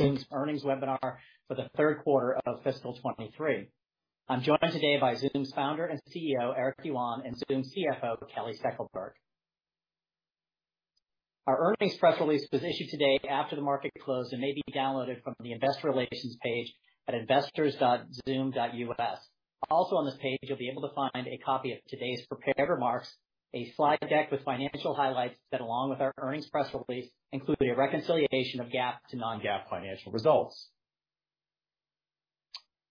Zoom's earnings webinar for the third quarter of fiscal 2023. I'm joined today by Zoom's Founder and CEO Eric Yuan, and Zoom's CFO Kelly Steckelberg. Our earnings press release was issued today after the market closed and may be downloaded from the investor relations page at investors.zoom.us. Also on this page, you'll be able to find a copy of today's prepared remarks, a slide deck with financial highlights that along with our earnings press release, include a reconciliation of GAAP to non-GAAP financial results.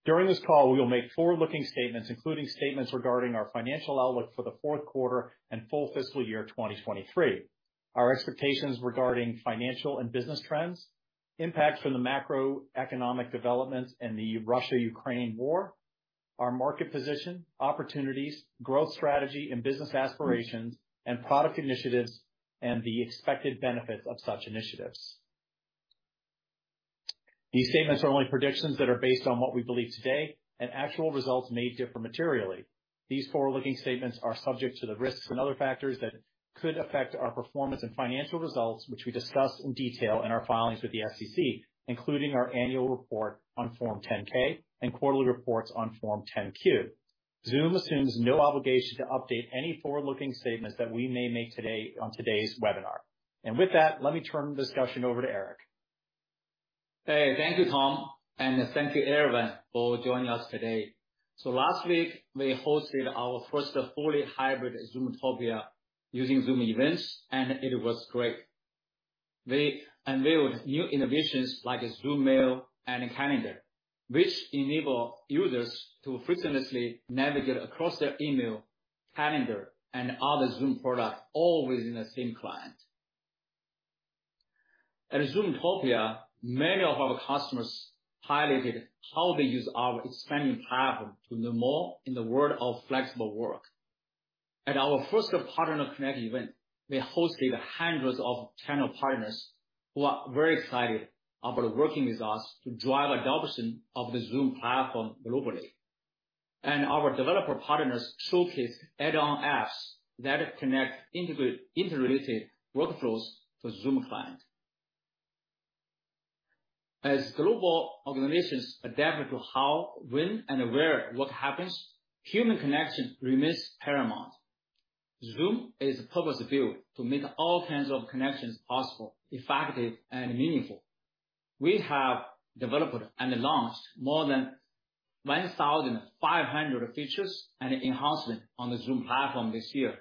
During this call, we will make forward-looking statements, including statements regarding our financial outlook for the fourth quarter and full fiscal year 2023. Our expectations regarding financial and business trends, impacts from the macroeconomic developments and the Russia-Ukraine War, our market position, opportunities, growth strategy, and business aspirations and product initiatives, and the expected benefits of such initiatives. These statements are only predictions that are based on what we believe today. Actual results may differ materially. These forward-looking statements are subject to the risks and other factors that could affect our performance and financial results, which we discuss in detail in our filings with the SEC, including our annual report on Form 10-K and quarterly reports on Form 10-Q. Zoom assumes no obligation to update any forward-looking statements that we may make today on today's webinar. With that, let me turn the discussion over to Eric. Hey, thank you, Tom, and, thank you everyone for joining us today. Last week, we hosted our first fully hybrid Zoomtopia using Zoom Events, and it was great. We unveiled new innovations like Zoom Mail and Calendar, which enable users to frictionless navigate across their email, calendar, and other Zoom products all within the same client. At Zoomtopia, many of our customers highlighted how they use our expanding platform to do more in the world of flexible work. At our first Partner Connect event, we hosted hundreds of channel partners who are very excited about working with us to drive adoption of the Zoom platform globally. Our developer partners showcased add-on apps that connect integrate, interrelated workflows to Zoom client. As global organizations adapt to how, when, and where work happens, human connection remains paramount. Zoom is purpose-built to make all kinds of connections possible, effective, and meaningful. We have developed and launched more than 1,500 features and enhancements on the Zoom platform this year.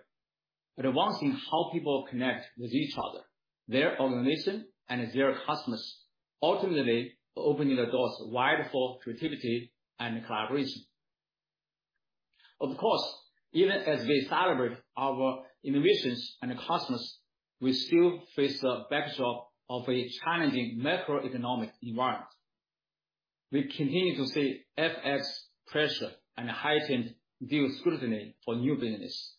Revolving how people connect with each other, their organization, and their customers, ultimately opening the doors wide for creativity and collaboration. Of course, even as we celebrate our innovations and customers, we still face the backdrop of a challenging macroeconomic environment. We continue to see FX pressure and heightened deal scrutiny for new business,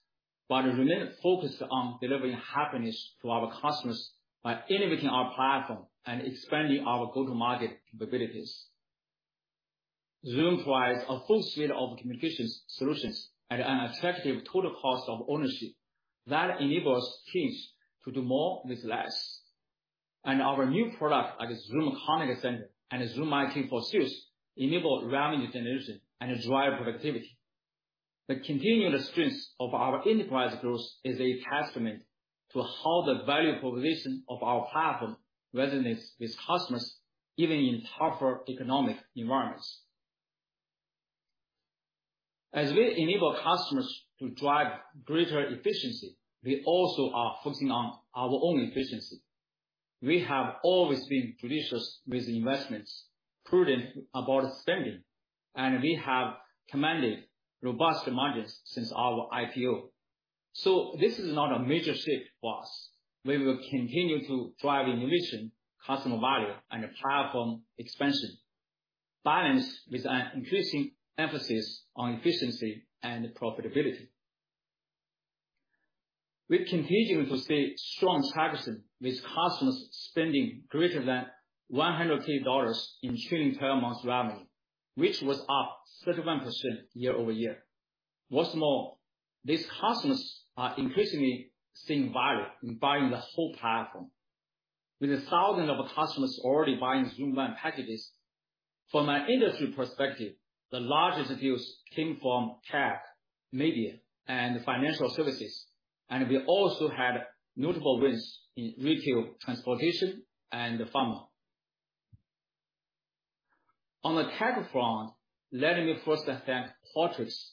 but remain focused on delivering happiness to our customers by innovating our platform and expanding our go-to-market capabilities. Zoom provides a full suite of communications solutions at an attractive total cost of ownership that enables teams to do more with less. Our new product, like Zoom Contact Center and Zoom IQ for Sales, enable revenue generation and drive productivity. The continuous strength of our enterprise growth is a testament to how the value proposition of our platform resonates with customers, even in tougher economic environments. As we enable customers to drive greater efficiency, we also are focusing on our own efficiency. We have always been judicious with investments, prudent about spending, we have commanded robust margins since our IPO. This is not a major shift for us. We will continue to drive innovation, customer value, and platform expansion, balanced with an increasing emphasis on efficiency and profitability. We're continuing to see strong traction with customers spending greater than $100,000 in trailing 12 months revenue, which was up 31% year-over-year. What's more, these customers are increasingly seeing value in buying the whole platform. With thousands of customers already buying Zoom Rooms packages, from an industry perspective, the largest deals came from tech, media, and financial services. We also had notable wins in retail, transportation, and pharma. On the tech front, let me first thank Qualtrics,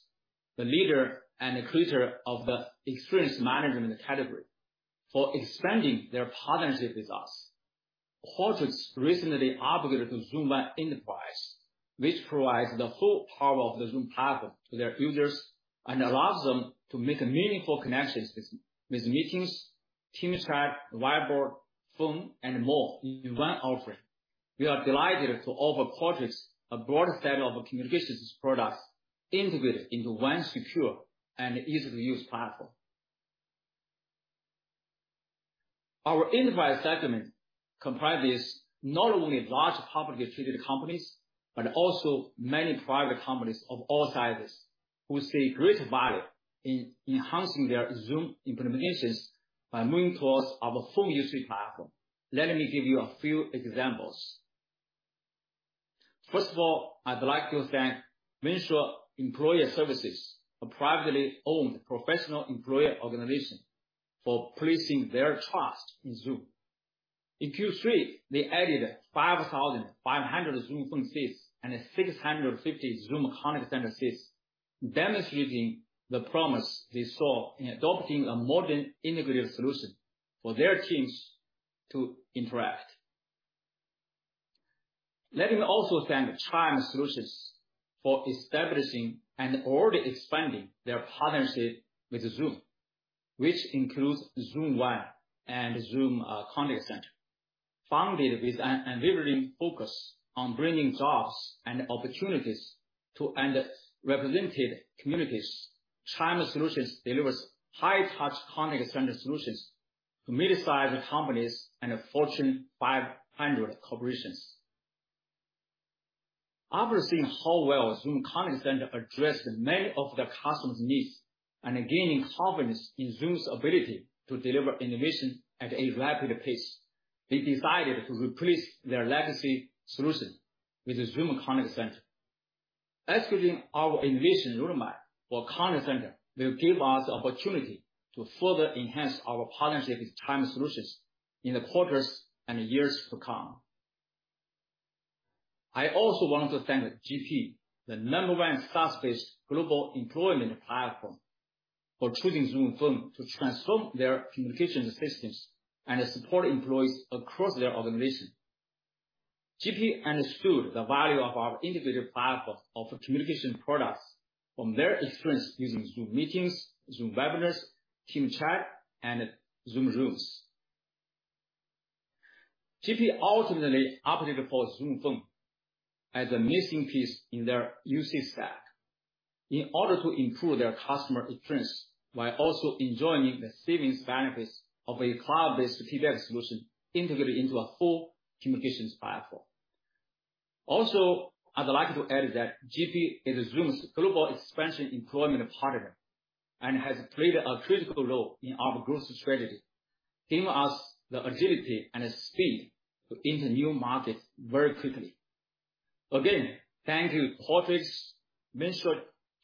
the leader and creator of the experience management category, for expanding their partnership with us. Qualtrics recently upgraded to Zoom Enterprise, which provides the full power of the Zoom platform to their users and allows them to make meaningful connections with Meetings, Team Chat, Whiteboard, Phone, and more in one offering. We are delighted to offer Qualtrics a broad set of communications products integrated into one secure and easy-to-use platform. Our enterprise segment comprises not only large publicly traded companies, but also many private companies of all sizes, who see great value in enhancing their Zoom implementations by moving towards our full UC platform. Let me give you a few examples. First of all, I'd like to thank Vensure Employee Services, a privately owned professional employer organization, for placing their trust in Zoom. In Q3, they added 5,500 Zoom Phone seats and 650 Zoom Contact Center seats, demonstrating the promise they saw in adopting a modern integrated solution for their teams to interact. Let me also thank Chime Solutions for establishing and already expanding their partnership with Zoom, which includes Zoom One and Zoom Contact Center. Founded with an unwavering focus on bringing jobs and opportunities to underrepresented communities, Chime Solutions delivers high-touch contact center solutions to mid-sized companies and Fortune 500 corporations. After seeing how well Zoom Contact Center addressed many of their customers' needs and gaining confidence in Zoom's ability to deliver innovation at a rapid pace, they decided to replace their legacy solution with the Zoom Contact Center. Executing our innovation roadmap for Contact Center will give us the opportunity to further enhance our partnership with Chime Solutions in the quarters and years to come. I also want to thank G-P, the number one SaaS-based global employment platform, for choosing Zoom Phone to transform their communications systems and support employees across their organization. G-P understood the value of our integrated platform of communication products from their experience using Zoom Meetings, Zoom Webinars, Team Chat, and Zoom Rooms. G-P ultimately opted for Zoom Phone as a missing piece in their UC stack in order to improve their customer experience while also enjoying the savings benefits of a cloud-based PBX solution integrated into a full communications platform. I'd like to add that G-P is Zoom's global expansion employment partner and has played a critical role in our growth strategy, giving us the agility and speed to enter new markets very quickly. Again, thank you Portrix, Vensure,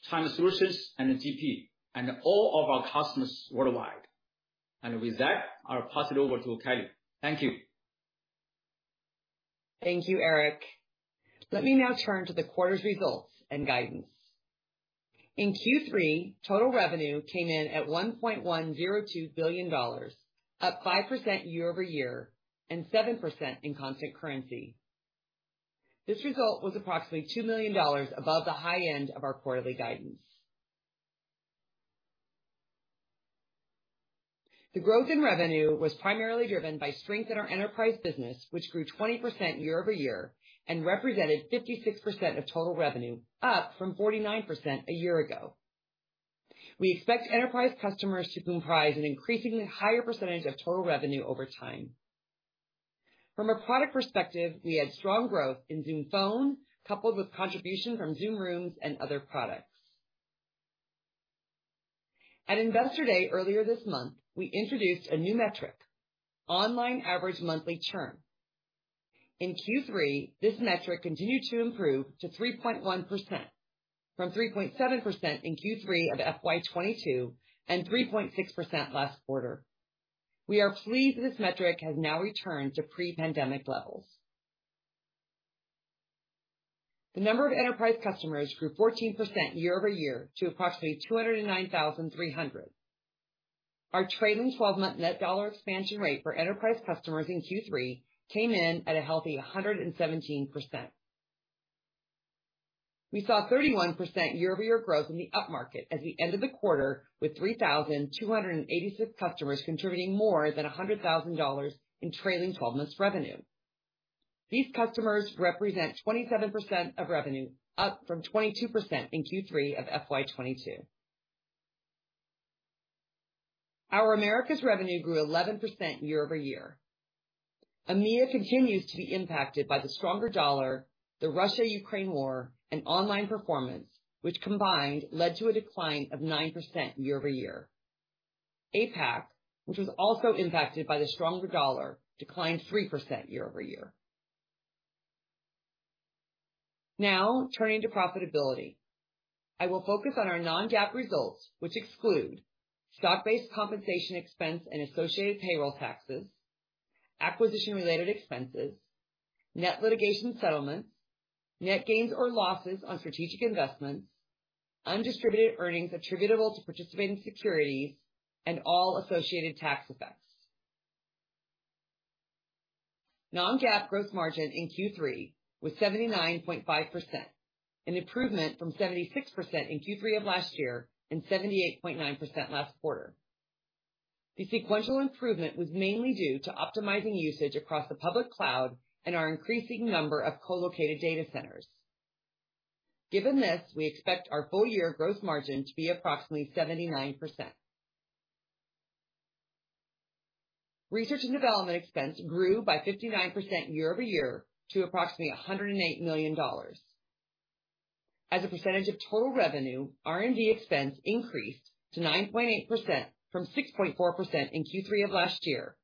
Chime Solutions, and G-P, and all of our customers worldwide. With that, I'll pass it over to Kelly. Thank you. Thank you, Eric. Let me now turn to the quarter's results and guidance. In Q3, total revenue came in at $1.102 billion, up 5% year-over-year and 7% in constant currency. This result was approximately $2 million above the high end of our quarterly guidance. The growth in revenue was primarily driven by strength in our enterprise business, which grew 20% year-over-year and represented 56% of total revenue, up from 49% a year ago. We expect enterprise customers to comprise an increasingly higher percentage of total revenue over time. From a product perspective, we had strong growth in Zoom Phone, coupled with contribution from Zoom Rooms and other products. At Investor Day earlier this month, we introduced a new metric, online average monthly churn. In Q3, this metric continued to improve to 3.1% from 3.7% in Q3 of FY 2022, and 3.6% last quarter. We are pleased that this metric has now returned to pre-pandemic levels. The number of enterprise customers grew 14% year-over-year to approximately 209,300. Our trailing 12-month net dollar expansion rate for enterprise customers in Q3 came in at a healthy 117%. We saw 31% year-over-year growth in the upmarket as the end of the quarter, with 3,286 customers contributing more than $100,000 in trailing 12 months revenue. These customers represent 27% of revenue, up from 22% in Q3 of FY 2022. Our Americas revenue grew 11% year-over-year. EMEA continues to be impacted by the stronger dollar, the Russia-Ukraine war, and online performance, which combined led to a decline of 9% year-over-year. APAC, which was also impacted by the stronger dollar, declined 3% year-over-year. Turning to profitability. I will focus on our non-GAAP results, which exclude stock-based compensation expense and associated payroll taxes, acquisition-related expenses, net litigation settlements, net gains or losses on strategic investments, undistributed earnings attributable to participating securities, and all associated tax effects. Non-GAAP gross margin in Q3 was 79.5%, an improvement from 76% in Q3 of last year, and 78.9% last quarter. The sequential improvement was mainly due to optimizing usage across the public cloud and our increasing number of co-located data centers. Given this, we expect our full year gross margin to be approximately 79%. Research and development expense grew by 59% year-over-year to approximately $108 million. As a percentage of total revenue, R&D expense increased to 9.8% from 6.4% in Q3 of last year.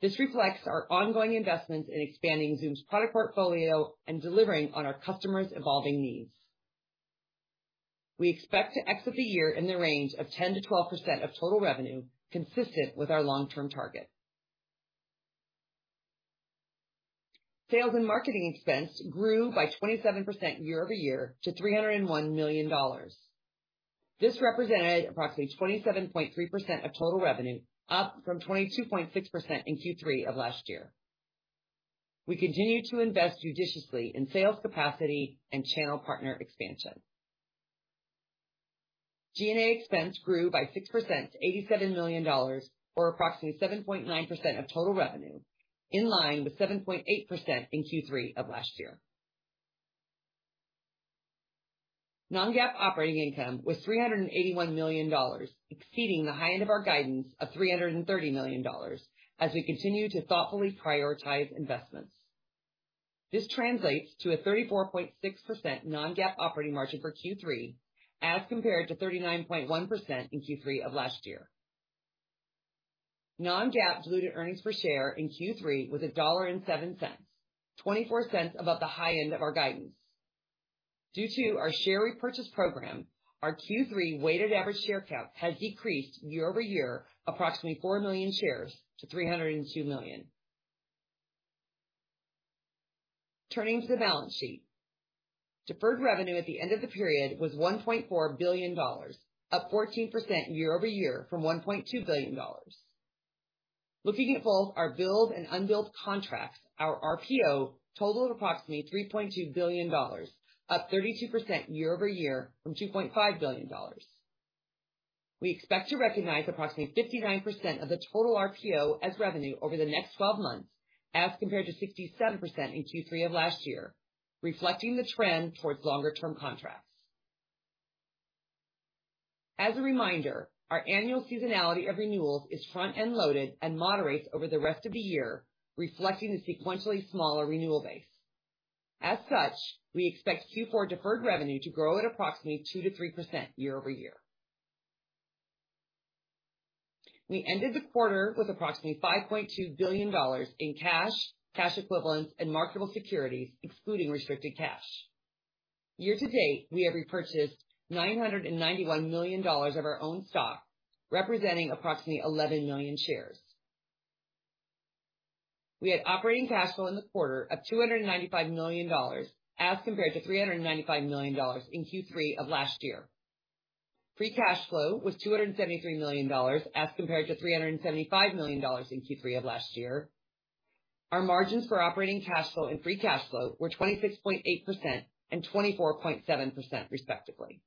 This reflects our ongoing investments in expanding Zoom's product portfolio and delivering on our customers' evolving needs. We expect to exit the year in the range of 10%-12% of total revenue, consistent with our long-term target. Sales and marketing expense grew by 27% year-over-year to $301 million. This represented approximately 27.3% of total revenue, up from 22.6% in Q3 of last year. We continue to invest judiciously in sales capacity and channel partner expansion. G&A expense grew by 6% to $87 million, or approximately 7.9% of total revenue, in line with 7.8% in Q3 of last year. Non-GAAP operating income was $381 million, exceeding the high end of our guidance of $330 million as we continue to thoughtfully prioritize investments. This translates to a 34.6% non-GAAP operating margin for Q3 as compared to 39.1% in Q3 of last year. Non-GAAP diluted earnings per share in Q3 was $1.07, $0.24 above the high end of our guidance. Due to our share repurchase program, our Q3 weighted average share count has decreased year-over-year approximately 4 million shares to 302 million. Turning to the balance sheet. Deferred revenue at the end of the period was $1.4 billion, up 14% year-over-year from $1.2 billion. Looking at both our billed and unbilled contracts, our RPO totaled approximately $3.2 billion, up 32% year-over-year from $2.5 billion. We expect to recognize approximately 59% of the total RPO as revenue over the next 12 months, as compared to 67% in Q3 of last year, reflecting the trend towards longer-term contracts. As a reminder, our annual seasonality of renewals is front and loaded and moderates over the rest of the year, reflecting a sequentially smaller renewal base. As such, we expect Q4 deferred revenue to grow at approximately 2%-3% year-over-year. We ended the quarter with approximately $5.2 billion in cash equivalents, and marketable securities, excluding restricted cash. Year to date, we have repurchased $991 million of our own stock, representing approximately 11 million shares. We had operating cash flow in the quarter of $295 million, as compared to $395 million in Q3 of last year. Free cash flow was $273 million as compared to $375 million in Q3 of last year. Our margins for operating cash flow and free cash flow were 26.8% and 24.7%, respectively.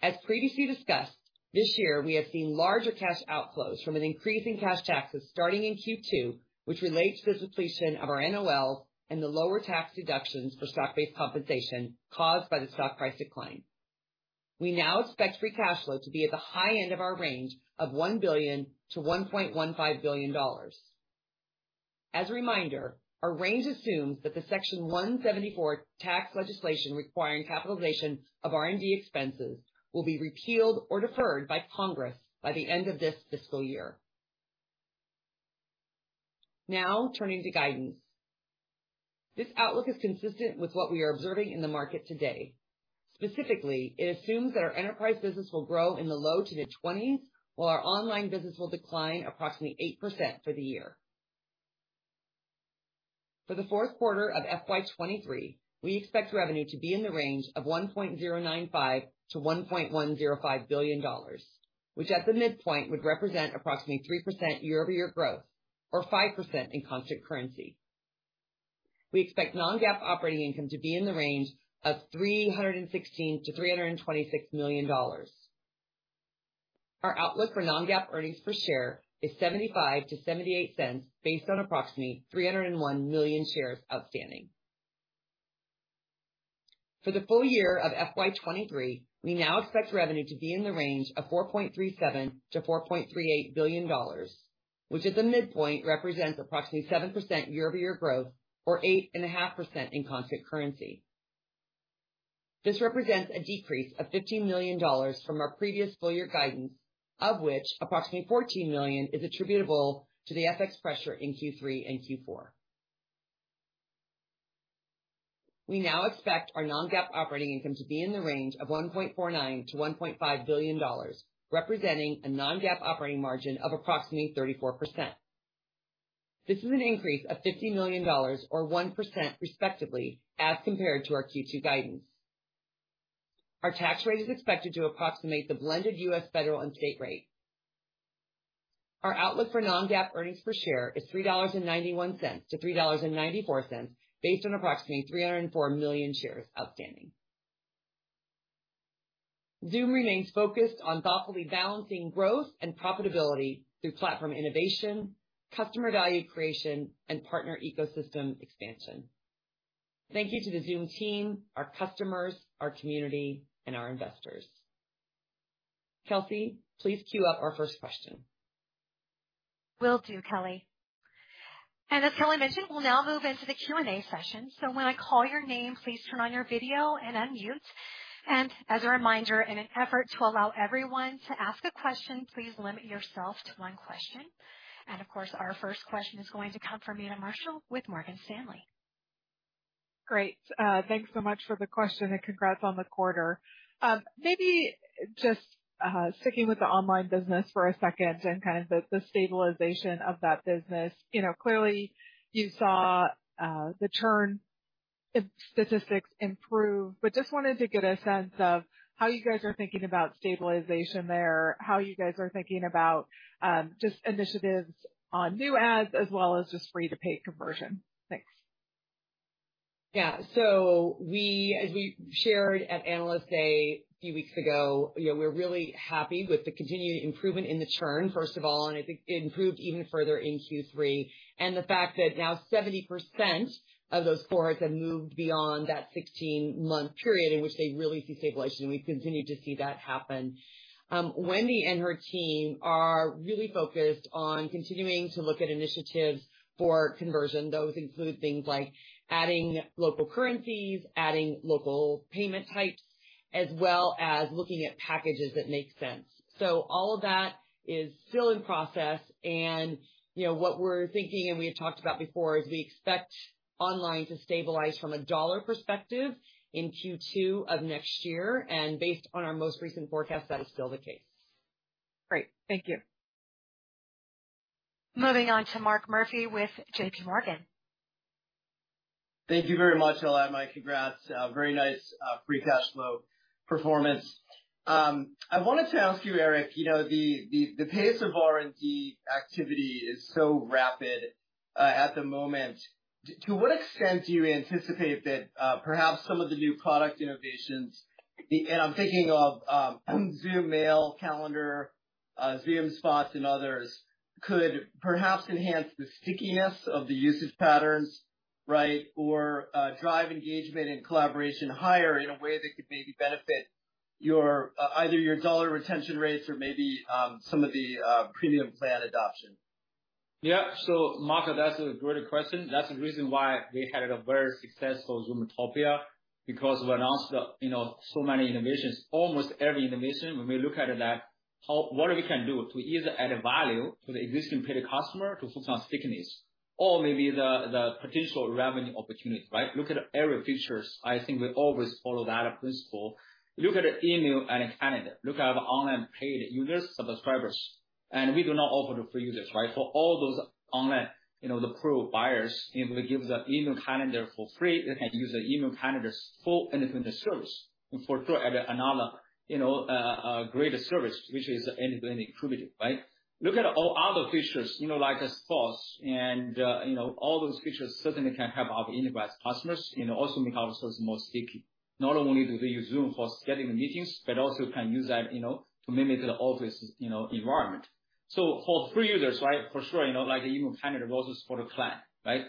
As previously discussed, this year we have seen larger cash outflows from an increase in cash taxes starting in Q2, which relates to the depletion of our NOL and the lower tax deductions for stock-based compensation caused by the stock price decline. We now expect free cash flow to be at the high end of our range of $1 billion-$1.15 billion. As a reminder, our range assumes that the Section 174 tax legislation requiring capitalization of R&D expenses will be repealed or deferred by Congress by the end of this fiscal year. Turning to guidance. This outlook is consistent with what we are observing in the market today. Specifically, it assumes that our enterprise business will grow in the low to mid-20s, while our online business will decline approximately 8% for the year. For the fourth quarter of FY 2023, we expect revenue to be in the range of $1.095 billion-$1.105 billion, which at the midpoint would represent approximately 3% year-over-year growth or 5% in constant currency. We expect non-GAAP operating income to be in the range of $316 million-$326 million. Our outlook for non-GAAP earnings per share is $0.75-$0.78 based on approximately 301 million shares outstanding. For the full year of FY 2023, we now expect revenue to be in the range of $4.37 billion-$4.38 billion, which at the midpoint represents approximately 7% year-over-year growth or 8.5% in constant currency. This represents a decrease of $15 million from our previous full year guidance, of which approximately $14 million is attributable to the FX pressure in Q3 and Q4. We now expect our non-GAAP operating income to be in the range of $1.49 billion-$1.5 billion, representing a non-GAAP operating margin of approximately 34%. This is an increase of $50 million or 1%, respectively, as compared to our Q2 guidance. Our tax rate is expected to approximate the blended U.S. federal and state rate. Our outlook for non-GAAP earnings per share is $3.91-$3.94 based on approximately 304 million shares outstanding. Zoom remains focused on thoughtfully balancing growth and profitability through platform innovation, customer value creation, and partner ecosystem expansion. Thank you to the Zoom team, our customers, our community, and our investors. Kelsey, please queue up our first question. Will do, Kelly. As Kelly mentioned, we'll now move into the Q&A session. When I call your name, please turn on your video and unmute. As a reminder, in an effort to allow everyone to ask a question, please limit yourself to one question. Of course, our first question is going to come from Meta Marshall with Morgan Stanley. Great. Thanks so much for the question, and congrats on the quarter. Maybe just sticking with the online business for a second and kind of the stabilization of that business. You know, clearly you saw the churn in statistics improve, but just wanted to get a sense of how you guys are thinking about stabilization there, how you guys are thinking about just initiatives on new ads as well as just free-to-pay conversion? Thanks. Yeah. We, as we shared at Analyst Day a few weeks ago, you know, we're really happy with the continued improvement in the churn, first of all, and I think it improved even further in Q3. The fact that now 70% of those cohorts have moved beyond that 16-month period in which they really see stabilization, and we've continued to see that happen. Wendy and her team are really focused on continuing to look at initiatives for conversion. Those include things like adding local currencies, adding local payment types, as well as looking at packages that make sense. All of that is still in process and, you know, what we're thinking, and we had talked about before, is we expect online to stabilize from a dollar perspective in Q2 of next year. Based on our most recent forecast, that is still the case. Great. Thank you. Moving on to Mark Murphy with JPMorgan. Thank you very much. I'll add my congrats. Very nice free cash flow performance. I wanted to ask you, Eric, you know, the pace of R&D activity is so rapid at the moment. To what extent do you anticipate that perhaps some of the new product innovations, and I'm thinking of Zoom Mail, Calendar, Zoom Spots and others, could perhaps enhance the stickiness of the usage patterns, right? Or drive engagement and collaboration higher in a way that could maybe benefit your either your dollar retention rates or maybe some of the premium plan adoption? Yeah. Mark, that's a great question. That's the reason why we had a very successful Zoomtopia, because we announced, you know, so many innovations. Almost every innovation, when we look at that, what we can do to either add value to the existing paid customer to focus on stickiness or maybe the potential revenue opportunity, right? Look at every features. I think we always follow that principle. Look at email and calendar. Look at our online paid users subscribers, we do not offer it for users, right? For all those online, you know, the pro buyers, if we give the email calendar for free, they can use the email calendar for anything they service, for sure add another, you know, greater service, which is end-to-end attributed, right? Look at all other features, you know, like a Spots and, you know, all those features certainly can help our enterprise customers, you know, also make our service more sticky. Not only do they use Zoom for scheduling meetings, but also can use that, you know, to mimic the office, you know, environment. For free users, right, for sure, you know, like email calendar goes for the client, right?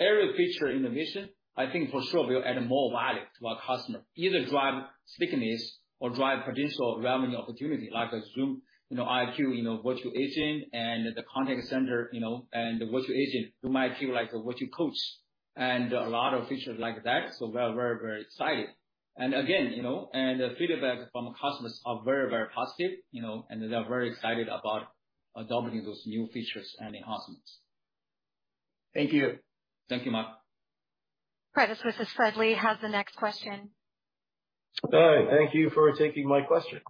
Every feature innovation, I think for sure will add more value to our customer, either drive stickiness or drive potential revenue opportunity like Zoom, you know, IQ, you know, virtual agent and the contact center, you know, and the virtual agent who might feel like a virtual coach and a lot of features like that. We are very, very excited. Again, you know, and the feedback from the customers are very, very positive, you know, and they're very excited about adopting those new features and enhancements. Thank you. Thank you, Mark. Credit Suisse's Fred Lee has the next question. Hi, thank you for taking my question.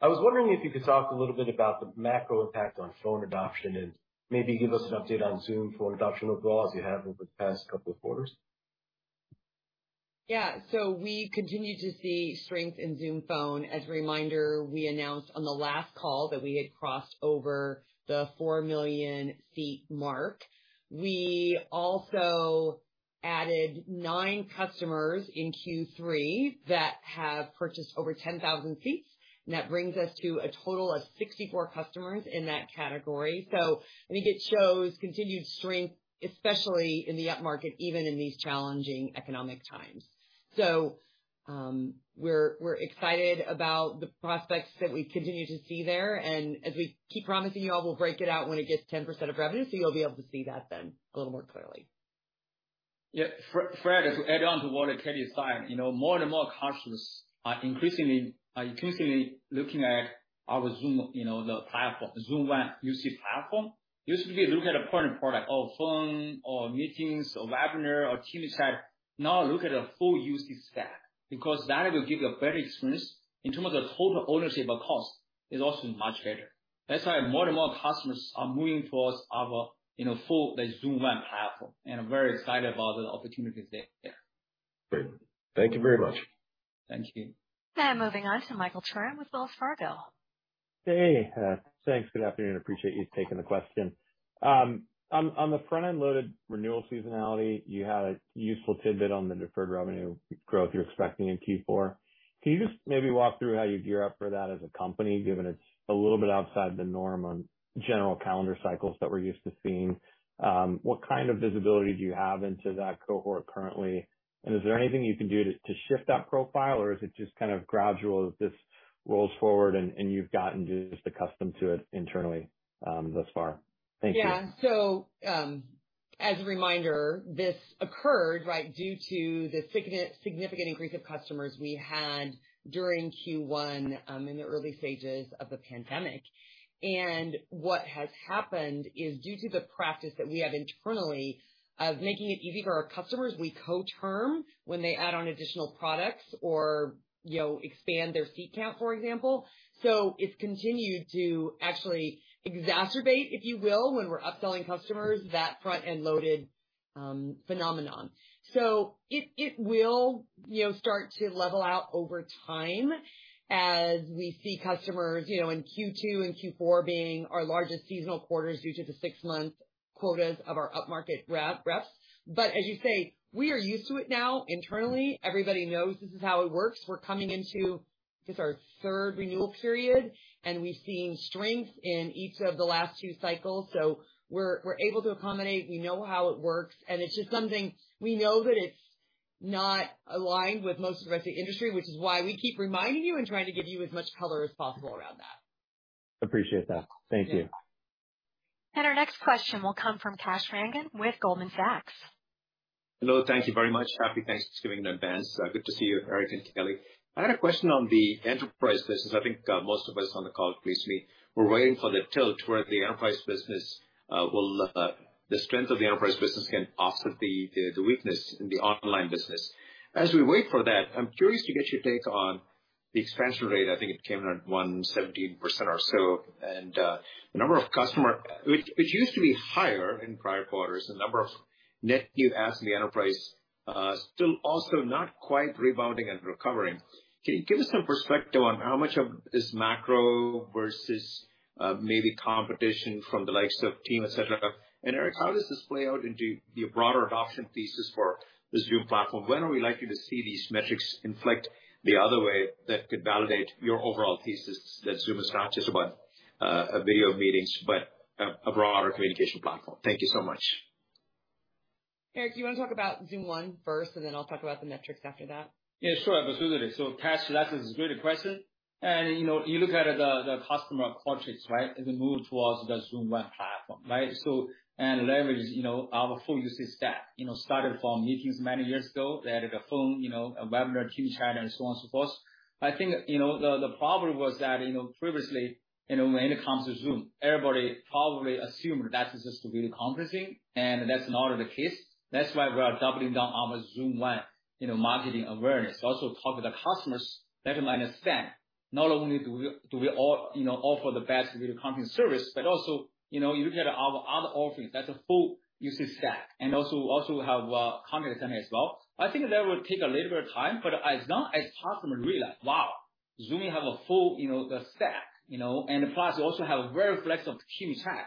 I was wondering if you could talk a little bit about the macro impact on Phone adoption and maybe give us an update on Zoom Phone adoption overall, as you have over the past couple of quarters? We continue to see strength in Zoom Phone. As a reminder, we announced on the last call that we had crossed over the 4 million seat mark. We also added nine customers in Q3 that have purchased over 10,000 seats, that brings us to a total of 64 customers in that category. I think it shows continued strength, especially in the upmarket, even in these challenging economic times. We're excited about the prospects that we continue to see there. As we keep promising you all, we'll break it out when it gets 10% of revenue, you'll be able to see that then a little more clearly. Fred, to add on to what Kelly is saying, you know, more and more customers are increasingly looking at our Zoom, you know, the platform, Zoom One UC platform. Used to be look at a point product or Phone or Meetings or Webinars or Team Chat. Look at a full UC stack, because that will give you a better experience in terms of the total ownership of cost is also much better. That's why more and more customers are moving towards our, you know, full Zoom platform, and I'm very excited about the opportunities there. Great. Thank you very much. Thank you. Moving on to Michael Turrin with Wells Fargo. Hey. Thanks. Good afternoon. Appreciate you taking the question. On the front-end loaded renewal seasonality, you had a useful tidbit on the deferred revenue growth you're expecting in Q4. Can you just maybe walk through how you gear up for that as a company, given it's a little bit outside the norm on general calendar cycles that we're used to seeing? What kind of visibility do you have into that cohort currently? Is there anything you can do to shift that profile, or is it just kind of gradual as this rolls forward and you've gotten just accustomed to it internally, thus far? Thank you. Yeah. As a reminder, this occurred, right, due to the significant increase of customers we had during Q1, in the early stages of the pandemic. What has happened is due to the practice that we have internally of making it easy for our customers, we co-term when they add on additional products or, you know, expand their seat count, for example. It's continued to actually exacerbate, if you will, when we're upselling customers, that front-end loaded, phenomenon. It, it will, you know, start to level out over time as we see customers, you know, in Q2 and Q4 being our largest seasonal quarters due to the six-month quotas of our upmarket reps. As you say, we are used to it now internally. Everybody knows this is how it works. We're coming into just our third renewal period, and we've seen strength in each of the last two cycles. We're able to accommodate, we know how it works, and it's just something we know that it's not aligned with most of the rest of the industry, which is why we keep reminding you and trying to give you as much color as possible around that. Appreciate that. Thank you. Our next question will come from Kash Rangan with Goldman Sachs. Hello, thank you very much. Happy Thanksgiving in advance. Good to see you, Eric and Kelly. I had a question on the enterprise business. I think most of us on the call, at least me, we're waiting for the tilt where the enterprise business will, the strength of the enterprise business can offset the weakness in the online business. As we wait for that, I'm curious to get your take on the expansion rate. I think it came in at 117% or so. The number of customer, which used to be higher in prior quarters, the number of net new adds in the enterprise still also not quite rebounding and recovering. Can you give us some perspective on how much of this macro versus maybe competition from the likes of Team, et cetera? Eric, how does this play out into your broader adoption thesis for the Zoom platform? When are we likely to see these metrics inflect the other way that could validate your overall thesis that Zoom is not just about video meetings, but a broader communication platform? Thank you so much. Eric, do you wanna talk about Zoom One first, and then I'll talk about the metrics after that? Yeah, sure. Absolutely. Kash, that is a great question. You know, you look at the customer portraits, right? The move towards the Zoom Web platform, right? Leverage, you know, our full UC stack. You know, started from meetings many years ago, they added a phone, you know, a webinar, team chat, and so on and so forth. I think, you know, the problem was that, you know, previously, you know, when it comes to Zoom, everybody probably assumed that it's just a video conferencing, and that's not the case. That's why we are doubling down on the Zoom Web, you know, marketing awareness. Also talk with the customers, let them understand not only do we all, you know, offer the best video conferencing service, but also, you know, you look at our other offerings, that's a full UC stack. Also have Contact Center as well. I think that will take a little bit of time, but as long as customers realize, wow, Zoom have a full, you know, the stack, you know, plus also have very flexible Team Chat,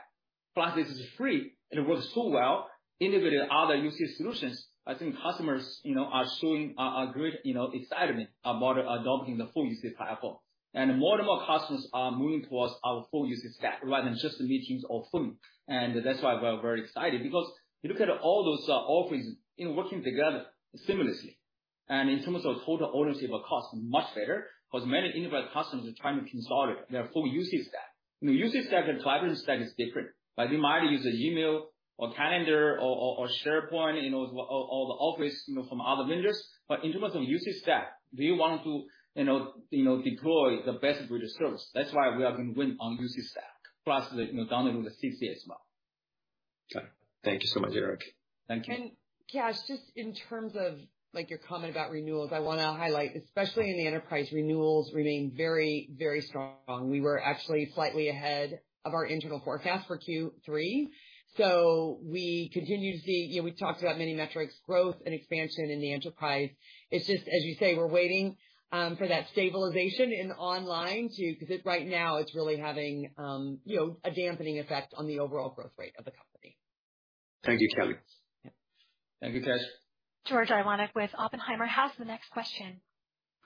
plus it's free, it works so well, integrated other UC solutions, I think customers, you know, are showing a great, you know, excitement about adopting the full UC platform. More and more customers are moving towards our full UC stack rather than just the Meetings or Phone. That's why we are very excited because you look at all those offerings, you know, working together seamlessly. In terms of total ownership of cost, much better, because many enterprise customers are trying to consolidate their full UC stack. You know, UC stack and collaborative stack is different. Like, they might use an email or calendar or SharePoint, you know, or the Office, you know, from other vendors. In terms of UC stack, we want to, you know, deploy the best video service. That's why we are gonna win on UC stack plus the, you know, down the road the CC as well. Okay. Thank you so much, Eric. Thank you. Kash, just in terms of, like, your comment about renewals, I wanna highlight, especially in the enterprise, renewals remain very, very strong. We were actually slightly ahead of our internal forecast for Q3. We continue to see You know, we've talked about many metrics, growth and expansion in the enterprise. It's just, as you say, we're waiting for that stabilization in online to, 'cause it right now it's really having, you know, a dampening effect on the overall growth rate of the company. Thank you, Kelly. Yeah. Thank you, Kash. George Iwanyc with Oppenheimer has the next question.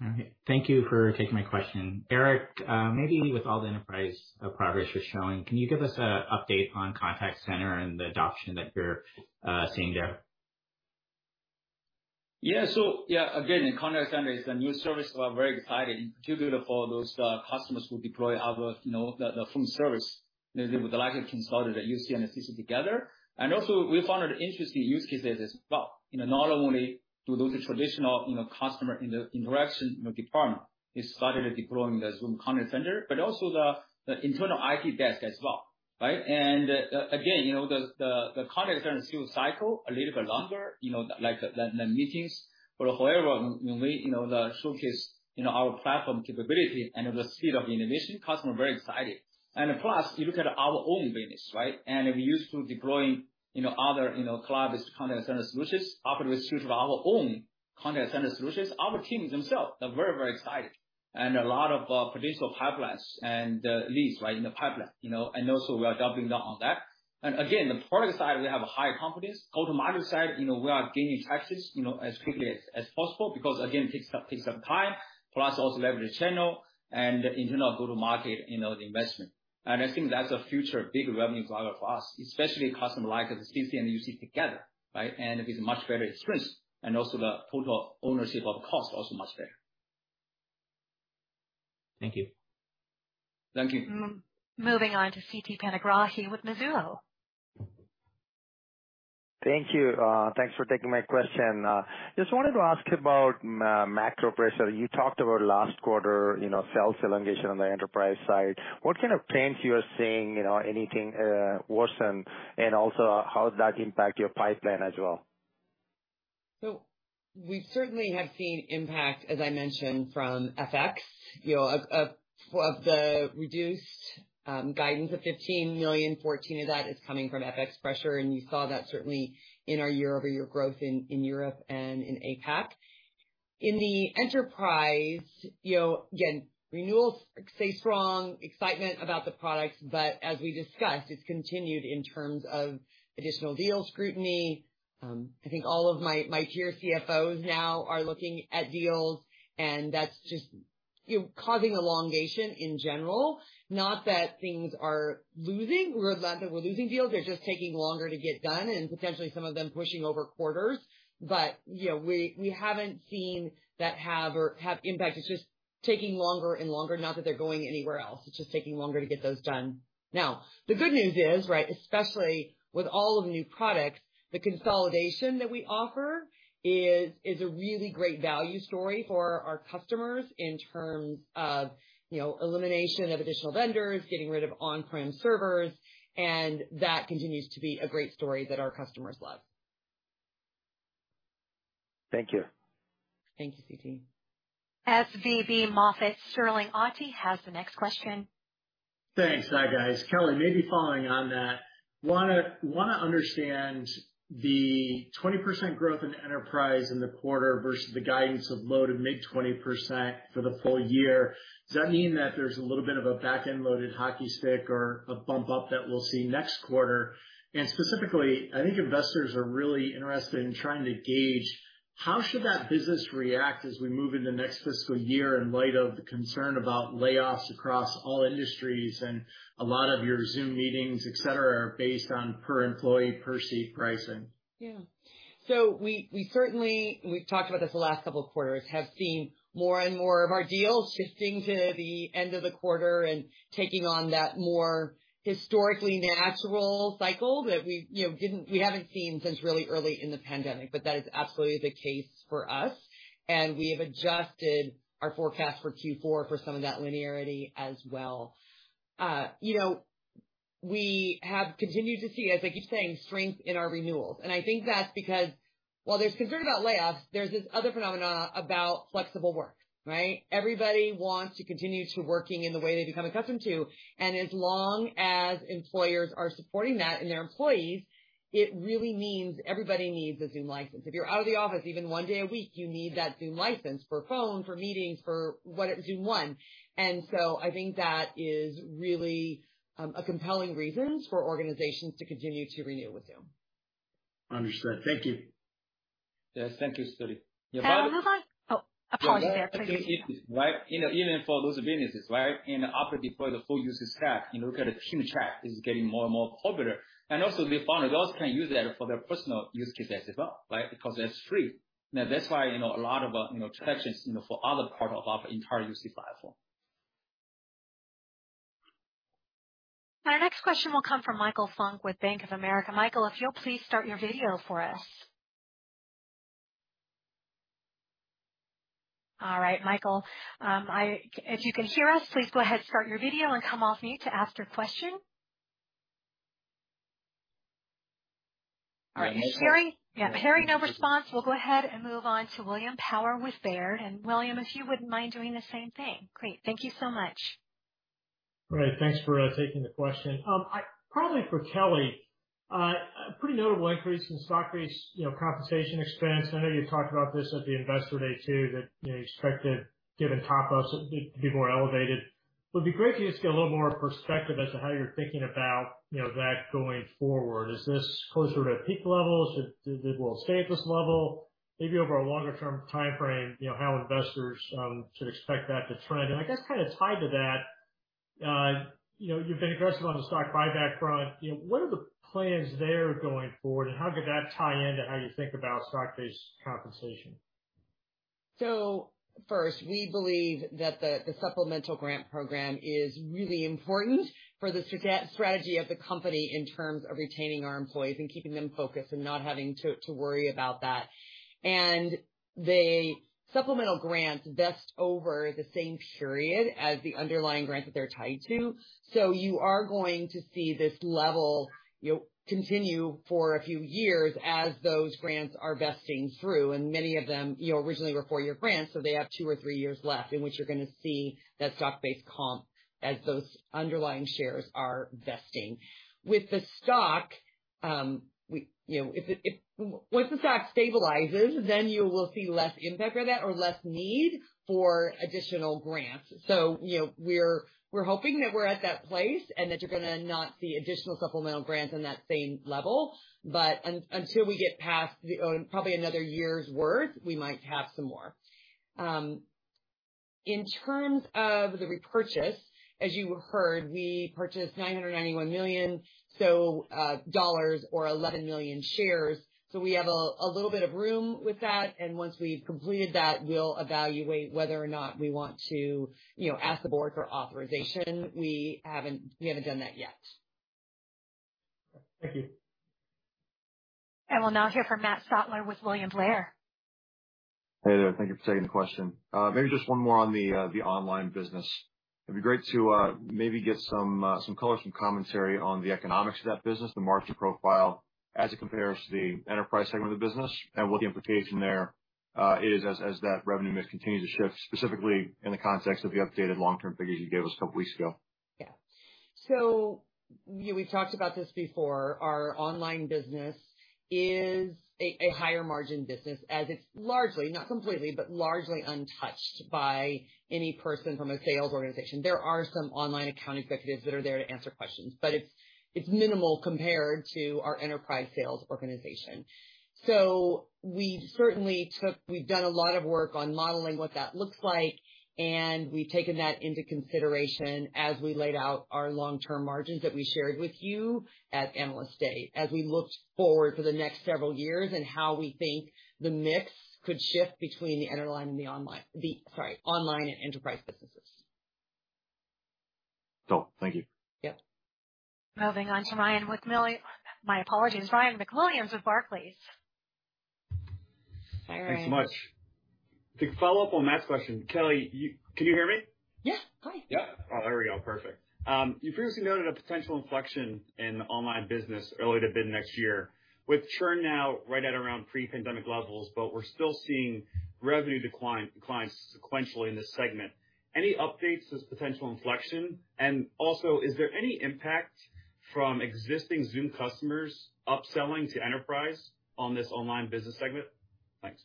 Okay. Thank you for taking my question. Eric, maybe with all the enterprise progress you're showing, can you give us a update on contact center and the adoption that you're seeing there? Yeah, again, in contact center is the new service we are very excited, in particular for those customers who deploy our, you know, the full service with the lack of consulted the UC and CC together. Also we found interesting use cases as well. You know, not only do those traditional, you know, customer inter-interaction, you know, department is started deploying the Zoom Contact Center, but also the internal IT desk as well, right? Again, you know, the contact center is still cycle a little bit longer, you know, like the meetings. However, when we, you know, the showcase, you know, our platform capability and the speed of innovation, customers are very excited. Plus you look at our own business, right? We're used to deploying, you know, other, you know, cloud-based contact center solutions. After we switch to our own Contact Center solutions, our teams themselves are very, very excited. A lot of potential pipelines and leads, right, in the pipeline. You know, also we are doubling down on that. Again, the product side, we have a high confidence. Go to market side, you know, we are gaining taxes, you know, as quickly as possible because again, takes some time. Also leverage channel and internal go-to-market, you know, the investment. I think that's a future big revenue driver for us, especially customer like the CC and UC together, right? With much better experience and also the total ownership of cost also much better. Thank you. Thank you. Moving on to Siti Panigrahi with Mizuho. Thank you. Thanks for taking my question. Just wanted to ask about macro pressure. You talked about last quarter, you know, sales elongation on the enterprise side. What kind of trends you are seeing, you know, anything worsen, and also how does that impact your pipeline as well? We certainly have seen impact, as I mentioned, from FX. You know, of the reduced guidance of $15 million, $14 million of that is coming from FX pressure, and you saw that certainly in our year-over-year growth in Europe and in APAC. In the enterprise, you know, again, renewals stay strong, excitement about the products, but as we discussed, it's continued in terms of additional deal scrutiny. I think all of my peer CFOs now are looking at deals, and that's just, you know, causing elongation in general. Not that things are losing. We're not losing deals. They're just taking longer to get done and potentially some of them pushing over quarters. You know, we haven't seen that have impact. It's just taking longer and longer, not that they're going anywhere else. It's just taking longer to get those done. The good news is, right, especially with all of the new products, the consolidation that we offer, is a really great value story for our customers in terms of, you know, elimination of additional vendors, getting rid of on-prem servers, and that continues to be a great story that our customers love. Thank you. Thank you, Siti. SVB Moffett, Sterling Auty has the next question. Thanks. Hi, guys. Kelly, maybe following on that, wanna understand the 20% growth in enterprise in the quarter versus the guidance of low to mid 20% for the full year. Does that mean that there's a little bit of a back-end loaded hockey stick or a bump up that we'll see next quarter? Specifically, I think investors are really interested in trying to gauge how should that business react as we move into next fiscal year in light of the concern about layoffs across all industries and a lot of your Zoom Meetings, et cetera, are based on per employee, per seat pricin?. We certainly, we've talked about this the last couple of quarters, have seen more and more of our deals shifting to the end of the quarter and taking on that more historically natural cycle that we, you know, we haven't seen since really early in the pandemic, but that is absolutely the case for us. We have adjusted our forecast for Q4 for some of that linearity as well. you know, we have continued to see, as I keep saying, strength in our renewals. I think that's because while there's concern about layoffs, there's this other phenomena about flexible work, right? Everybody wants to continue to working in the way they've become accustomed to, and as long as employers are supporting that and their employees, it really means everybody needs a Zoom license. If you're out of the office even one day a week, you need that Zoom license for phone, for meetings, for whatever, Zoom One. I think that is really a compelling reasons for organizations to continue to renew with Zoom. Understood. Thank you. Yes, thank you, Sterling. We will move on. Oh, apologies there. Right. You know, even for those businesses, right, in the operate deploy the full UC stack, you look at a Team Chat is getting more and more popular. Also we found those can use that for their personal use cases as well, right? Because that's free. Now that's why, you know, a lot of, you know, traction, you know, for other part of our entire UC platform. My next question will come from Michael Funk with Bank of America. Michael, if you'll please start your video for us? All right, Michael. If you can hear us, please go ahead and start your video and come off mute to ask your question. Are you hearing? Yeah. Hearing no response, we'll go ahead and move on to William Power with Baird. William, if you wouldn't mind doing the same thing? Great. Thank you so much. All right, thanks for taking the question. Probably for Kelly. A pretty notable increase in stock-based, you know, compensation expense. I know you talked about this at the Investor Day, too, that, you know, you expect it, given top ups, it'd be more elevated. It'd be great to just get a little more perspective as to how you're thinking about, you know, that going forward. Is this closer to peak levels? Will it stay at this level? Maybe over a longer-term timeframe, you know, how investors should expect that to trend. I guess kind of tied to that, you know, you've been aggressive on the stock buyback front. You know, what are the plans there going forward, and how could that tie into how you think about stock-based compensation? First, we believe that the supplemental grant program is really important for the strategy of the company in terms of retaining our employees and keeping them focused and not having to worry about that. The supplemental grants vest over the same period as the underlying grants that they're tied to. You are going to see this level, you know, continue for a few years as those grants are vesting through, and many of them, you know, originally were four-year grants, so they have two or three years left in which you're gonna see that stock-based comp as those underlying shares are vesting. With the stock, we, you know, Once the stock stabilizes, you will see less impact of that or less need for additional grants. You know, we're hoping that we're at that place and that you're gonna not see additional supplemental grants on that same level. Until we get past the probably another year's worth, we might have some more. In terms of the repurchase. As you heard, we purchased $991 million dollars or 11 million shares. We have a little bit of room with that, and once we've completed that, we'll evaluate whether or not we want to, you know, ask the board for authorization. We haven't done that yet. Thank you. We'll now hear from Matt Stotler with William Blair. Hey there. Thank you for taking the question. Maybe just one more on the online business. It'd be great to maybe get some color, some commentary on the economics of that business, the margin profile, as it compares to the enterprise segment of the business and what the implication there is as that revenue mix continues to shift, specifically in the context of the updated long-term figures you gave us two weeks ago. Yeah. you know, we've talked about this before. Our online business is a higher margin business, as it's largely, not completely, but largely untouched by any person from a sales organization. There are some online account executives that are there to answer questions, but it's minimal compared to our enterprise sales organization. We certainly took. We've done a lot of work on modeling what that looks like, and we've taken that into consideration as we laid out our long-term margins that we shared with you at Analyst Day, as we looked forward for the next several years and how we think the mix could shift between the enterline and the online, sorry, online and enterprise businesses. Cool. Thank you. Yep. Moving on to Ryan with. My apologies. Ryan MacWilliams with Barclays. Hi, Ryan. Thanks so much. To follow-up on Matt's question, Kelly, can you hear me? Yes. Hi. Yeah. Oh, there we go. Perfect. You previously noted a potential inflection in the online business early to mid next year. With churn now right at around pre-pandemic levels, we're still seeing revenue decline sequentially in this segment. Any updates to this potential inflection? Is there any impact from existing Zoom customers upselling to enterprise on this online business segment? Thanks.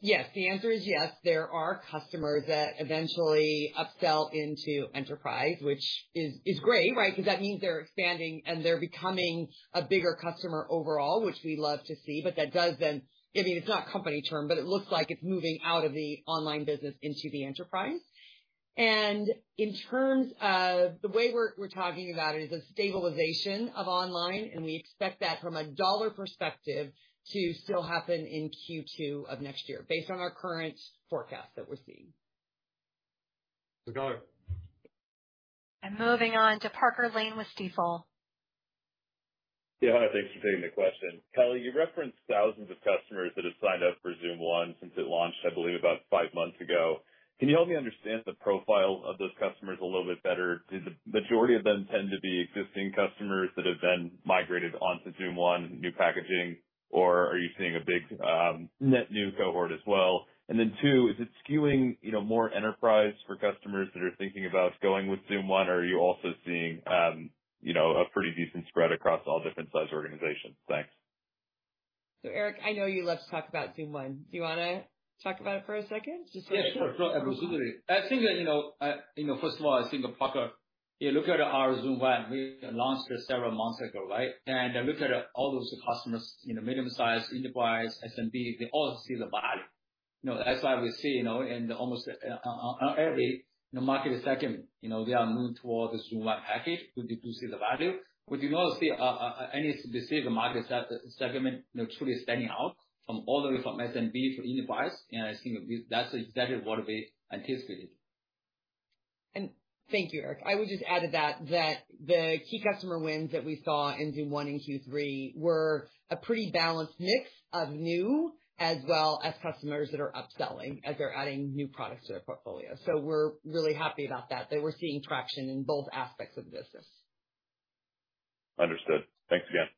Yes. The answer is yes. There are customers that eventually upsell into enterprise, which is great, right? Because that means they're expanding, and they're becoming a bigger customer overall, which we love to see. That does then, I mean, it's not company churn, but it looks like it's moving out of the online business into the enterprise. In terms of the way we're talking about it is a stabilization of online, and we expect that from a dollar perspective to still happen in Q2 of next year based on our current forecast that we're seeing. Let's go. Moving on to Parker Lane with Stifel. Hi, thanks for taking the question. Kelly, you referenced thousands of customers that have signed up for Zoom One since it launched, I believe, about five months ago. Can you help me understand the profile of those customers a little bit better? Do the majority of them tend to be existing customers that have then migrated onto Zoom One new packaging or are you seeing a big net new cohort as well? Two, is it skewing, you know, more enterprise for customers that are thinking about going with Zoom One, or are you also seeing, you know, a pretty decent spread across all different size organizations? Thanks. Eric, I know you love to talk about Zoom One. Do you wanna talk about it for a second? Yeah, sure. Absolutely. I think that, you know, you know, first of all, I think Parker, you look at our Zoom One, we launched it several months ago, right? Look at all those customers, you know, medium-sized, enterprise, SMB, they all see the value. You know, that's why we see, you know, in almost on every market segment, you know, they are moving towards the Zoom One package to see the value. We do not see a any specific market segment, you know, truly standing out from all the way from SMB to enterprise. I think that's exactly what we anticipated. Thank you, Eric. I would just add to that the key customer wins that we saw in Zoom One in Q3 were a pretty balanced mix of new as well as customers that are upselling as they're adding new products to their portfolio. We're really happy about that we're seeing traction in both aspects of the business. Understood. Thanks again.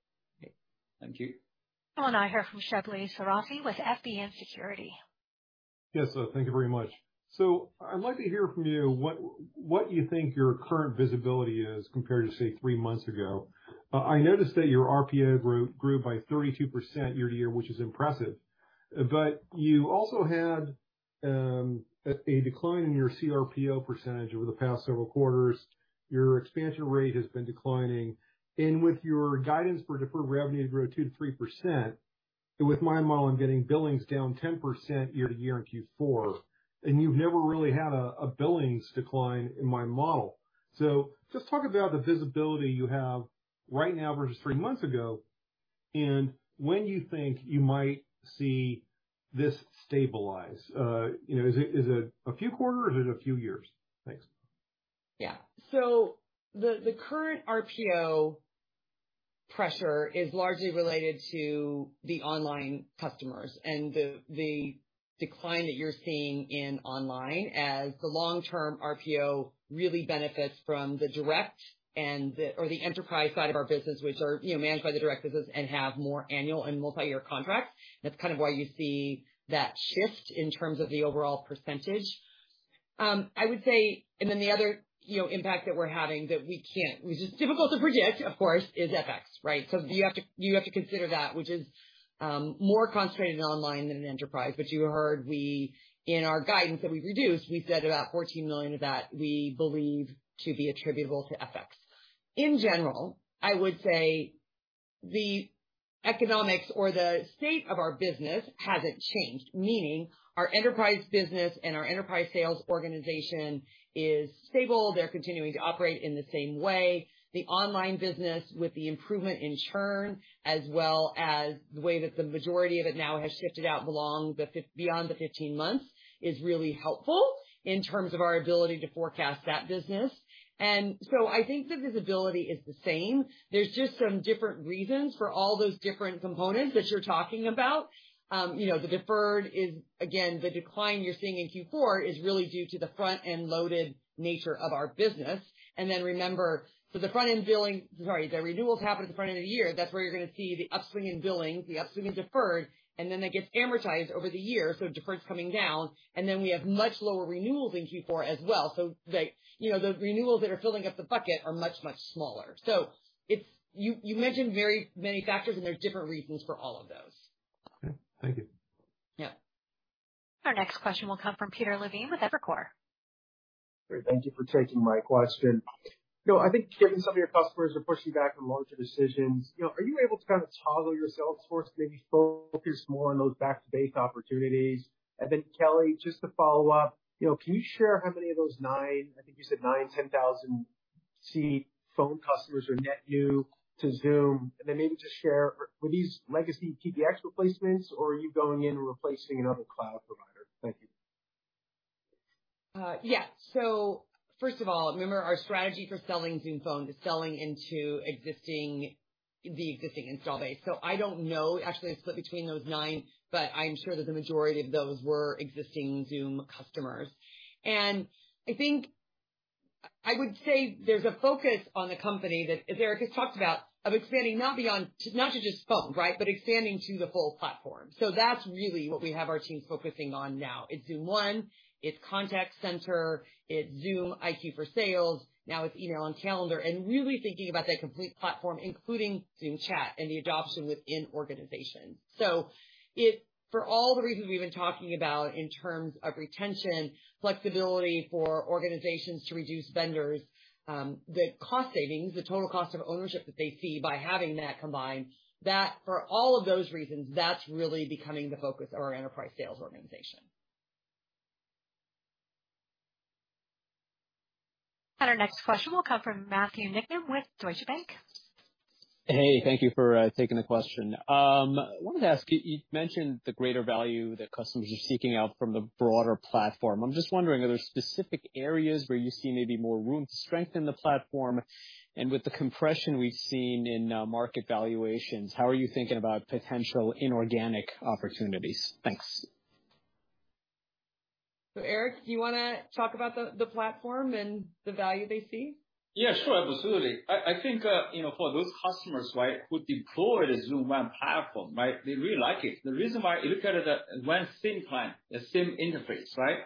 Thank you. I hear from Shebly Seyrafi with FBN Securities. Yes. Thank you very much. I'd like to hear from you what you think your current visibility is compared to, say, three months ago. I noticed that your RPO grew by 32% year-to-year, which is impressive. You also had a decline in your CRPO percentage over the past several quarters. Your expansion rate has been declining. With your guidance for deferred revenue to grow 2%-3%, with my model, I'm getting billings down 10% year-to-year in Q4, and you've never really had a billings decline in my model. Just talk about the visibility you have right now versus three months ago and when you think you might see this stabilize. You know, is it a few quarters or is it a few years? Thanks. Yeah. the current RPO pressure is largely related to the online customers and the decline that you're seeing in online as the long-term RPO really benefits from the direct or the enterprise side of our business, which are, you know, managed by the direct business and have more annual and multi-year contracts. That's kind of why you see that shift in terms of the overall percentage. I would say... The other, you know, impact that we're having that we can't, which is difficult to predict, of course, is FX, right? You have to consider that which is more concentrated in online than in enterprise. You heard we, in our guidance that we reduced, we said about $14 million of that we believe to be attributable to FX. In general, I would say the economics or the state of our business hasn't changed. Meaning, our enterprise business and our enterprise sales organization is stable. They're continuing to operate in the same way. The online business, with the improvement in churn, as well as the way that the majority of it now has shifted out beyond the 15 months, is really helpful in terms of our ability to forecast that business. I think the visibility is the same. There's just some different reasons for all those different components that you're talking about. you know, the deferred is. Again, the decline you're seeing in Q4 is really due to the front-end loaded nature of our business. Remember, the front-end billing. Sorry, the renewals happen at the front end of the year. That's where you're gonna see the upswing in billing, the upswing in deferred, then that gets amortized over the year, so deferred's coming down. Then we have much lower renewals in Q4 as well. They, you know, those renewals that are filling up the bucket are much smaller. It's, you mentioned very many factors, and there are different reasons for all of those. Okay. Thank you. Yeah. Our next question will come from Peter Levine with Evercore. Thank you for taking my question. You know, I think given some of your customers are pushing back on larger decisions, you know, are you able to kind of toggle your sales force to maybe focus more on those back-based opportunities? Kelly, just to follow-up, you know, can you share how many of those nine, I think you said nine, 10,000 seat phone customers are net new to Zoom? Maybe just share, were these legacy PBX replacements or are you going in and replacing another cloud provider? Thank you. Yeah. First of all, remember our strategy for selling Zoom Phone is selling into existing, the existing install base. I don't know, actually, a split between those nine, but I'm sure that the majority of those were existing Zoom customers. I think I would say there's a focus on the company that Eric has talked about of expanding not beyond, not to just phone, right? Expanding to the full platform. That's really what we have our teams focusing on now. It's Zoom One, it's Contact Center, it's Zoom IQ for Sales. Now it's email and calendar, and really thinking about that complete platform, including Zoom Chat and the adoption within organizations. For all the reasons we've been talking about in terms of retention, flexibility for organizations to reduce vendors, the cost savings, the total cost of ownership that they see by having that combined, that for all of those reasons, that's really becoming the focus of our enterprise sales organization. Our next question will come from Matthew Niknam with Deutsche Bank. Hey, thank you for taking the question. Wanted to ask, you mentioned the greater value that customers are seeking out from the broader platform. I'm just wondering, are there specific areas where you see maybe more room to strengthen the platform? With the compression we've seen in market valuations, how are you thinking about potential inorganic opportunities? Thanks. Eric, do you wanna talk about the platform and the value they see? Yeah, sure, absolutely. I think, you know, for those customers, right, who deploy the Zoom One platform, right, they really like it. The reason why you look at it as one same plan, the same interface, right?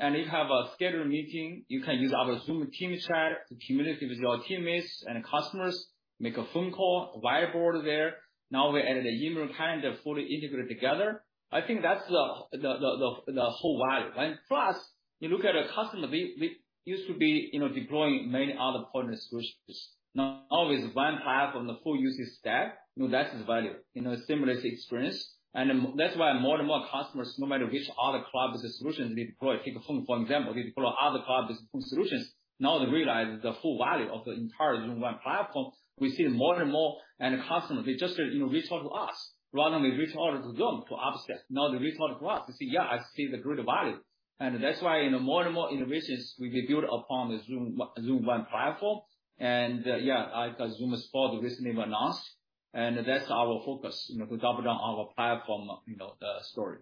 You have a scheduled meeting, you can use our Zoom Team Chat to communicate with your teammates and customers, make a phone call, a whiteboard there. Now we added an email calendar fully integrated together. I think that's the whole value, right? Plus, you look at a customer, we used to be, you know, deploying many other partner solutions. Now with one platform, the full UC stack, you know, that's its value in a seamless experience. That's why more and more customers, no matter which other cloud-based solutions they deploy, take a phone, for example. They deploy other cloud-based solutions. Now they realize the full value of the entire Zoom One platform. We see more and more end customer, they just, you know, reach out to us rather than reach out to Zoom for upsell. Now they reach out to us to say, "Yeah, I see the greater value." That's why, you know, more and more innovations will be built upon the Zoom One platform. Yeah, Zoom is for the listening announced, and that's our focus, you know, to double down our platform, you know, story.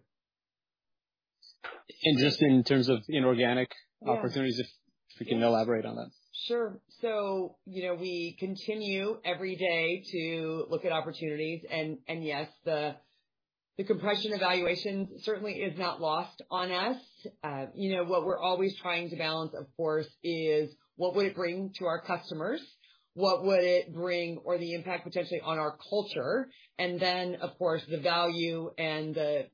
Just in terms of inorganic opportunities. Yeah. if you can elaborate on that? Sure. You know, we continue every day to look at opportunities, and yes, the compression evaluation certainly is not lost on us. You know, what we're always trying to balance, of course, is what would it bring to our customers? What would it bring or the impact potentially on our culture? Of course, the value and the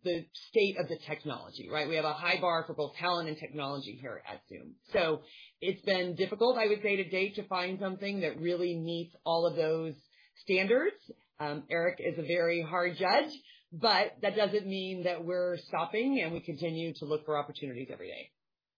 state of the technology, right? We have a high bar for both talent and technology here at Zoom. It's been difficult, I would say, to date, to find something that really meets all of those standards. Eric is a very hard judge, but that doesn't mean that we're stopping, and we continue to look for opportunities every day.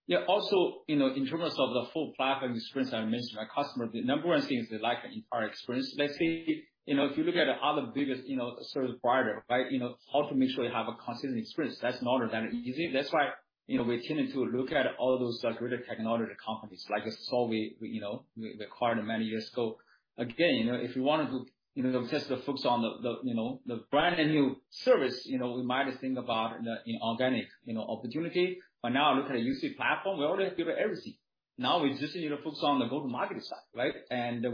Yeah. Also, you know, in terms of the full platform experience, I mentioned our customer, the number one thing is they like the entire experience. Let's say, you know, if you look at other biggest, you know, service provider, right, you know, how to make sure you have a consistent experience that's not that easy. That's why, you know, we're tending to look at all those greater technology companies like Solvvy we, you know, we acquired many years ago. Again, you know, if you wanted to, you know, just to focus on the, you know, the brand new service, you know, we might just think about the inorganic, you know, opportunity. Now look at UC platform, we already give everything. Now we just need to focus on the go-to-market side, right?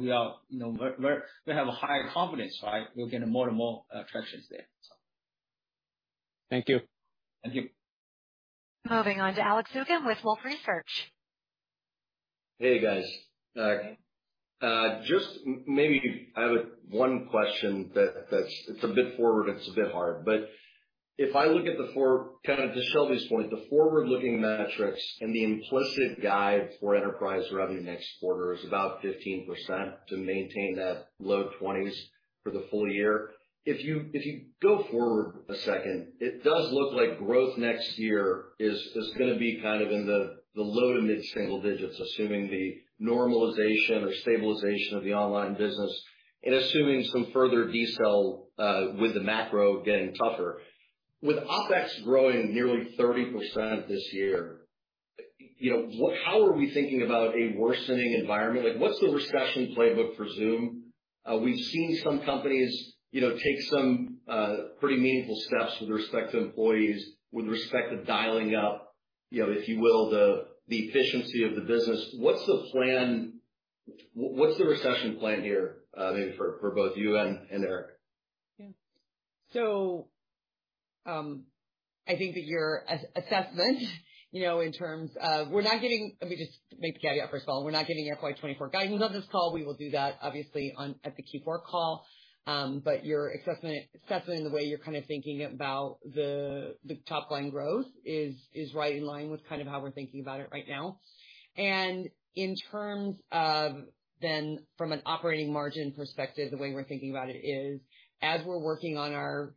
We are, you know, we're, we have a high confidence, right? We're getting more and more, tractions there, so. Thank you. Thank you. Moving on to Alex Zukin with Wolfe Research. Hey, guys. Just maybe I have one question that's, it's a bit forward, it's a bit hard. Kind of to Shelby's point, the forward-looking metrics and the implicit guide for enterprise revenue next quarter is about 15% to maintain that low 20s for the full year. If you go forward a second, it does look like growth next year is gonna be kind of in the low to mid-single digits, assuming the normalization or stabilization of the online business and assuming some further decel with the macro getting tougher. With OpEx growing nearly 30% this year, you know, how are we thinking about a worsening environment? Like, what's the recession playbook for Zoom? We've seen some companies, you know, take some pretty meaningful steps with respect to employees, with respect to dialing up, you know, if you will, the efficiency of the business. What's the plan? What's the recession plan here, maybe for both you and Eric? I think that your assessment, you know. Let me just maybe caveat first of all, we're not giving FY 2024 guidance on this call. We will do that obviously at the Q4 call. Your assessment and the way you're kind of thinking about the top line growth is right in line with kind of how we're thinking about it right now. In terms of from an operating margin perspective, the way we're thinking about it is, as we're working on our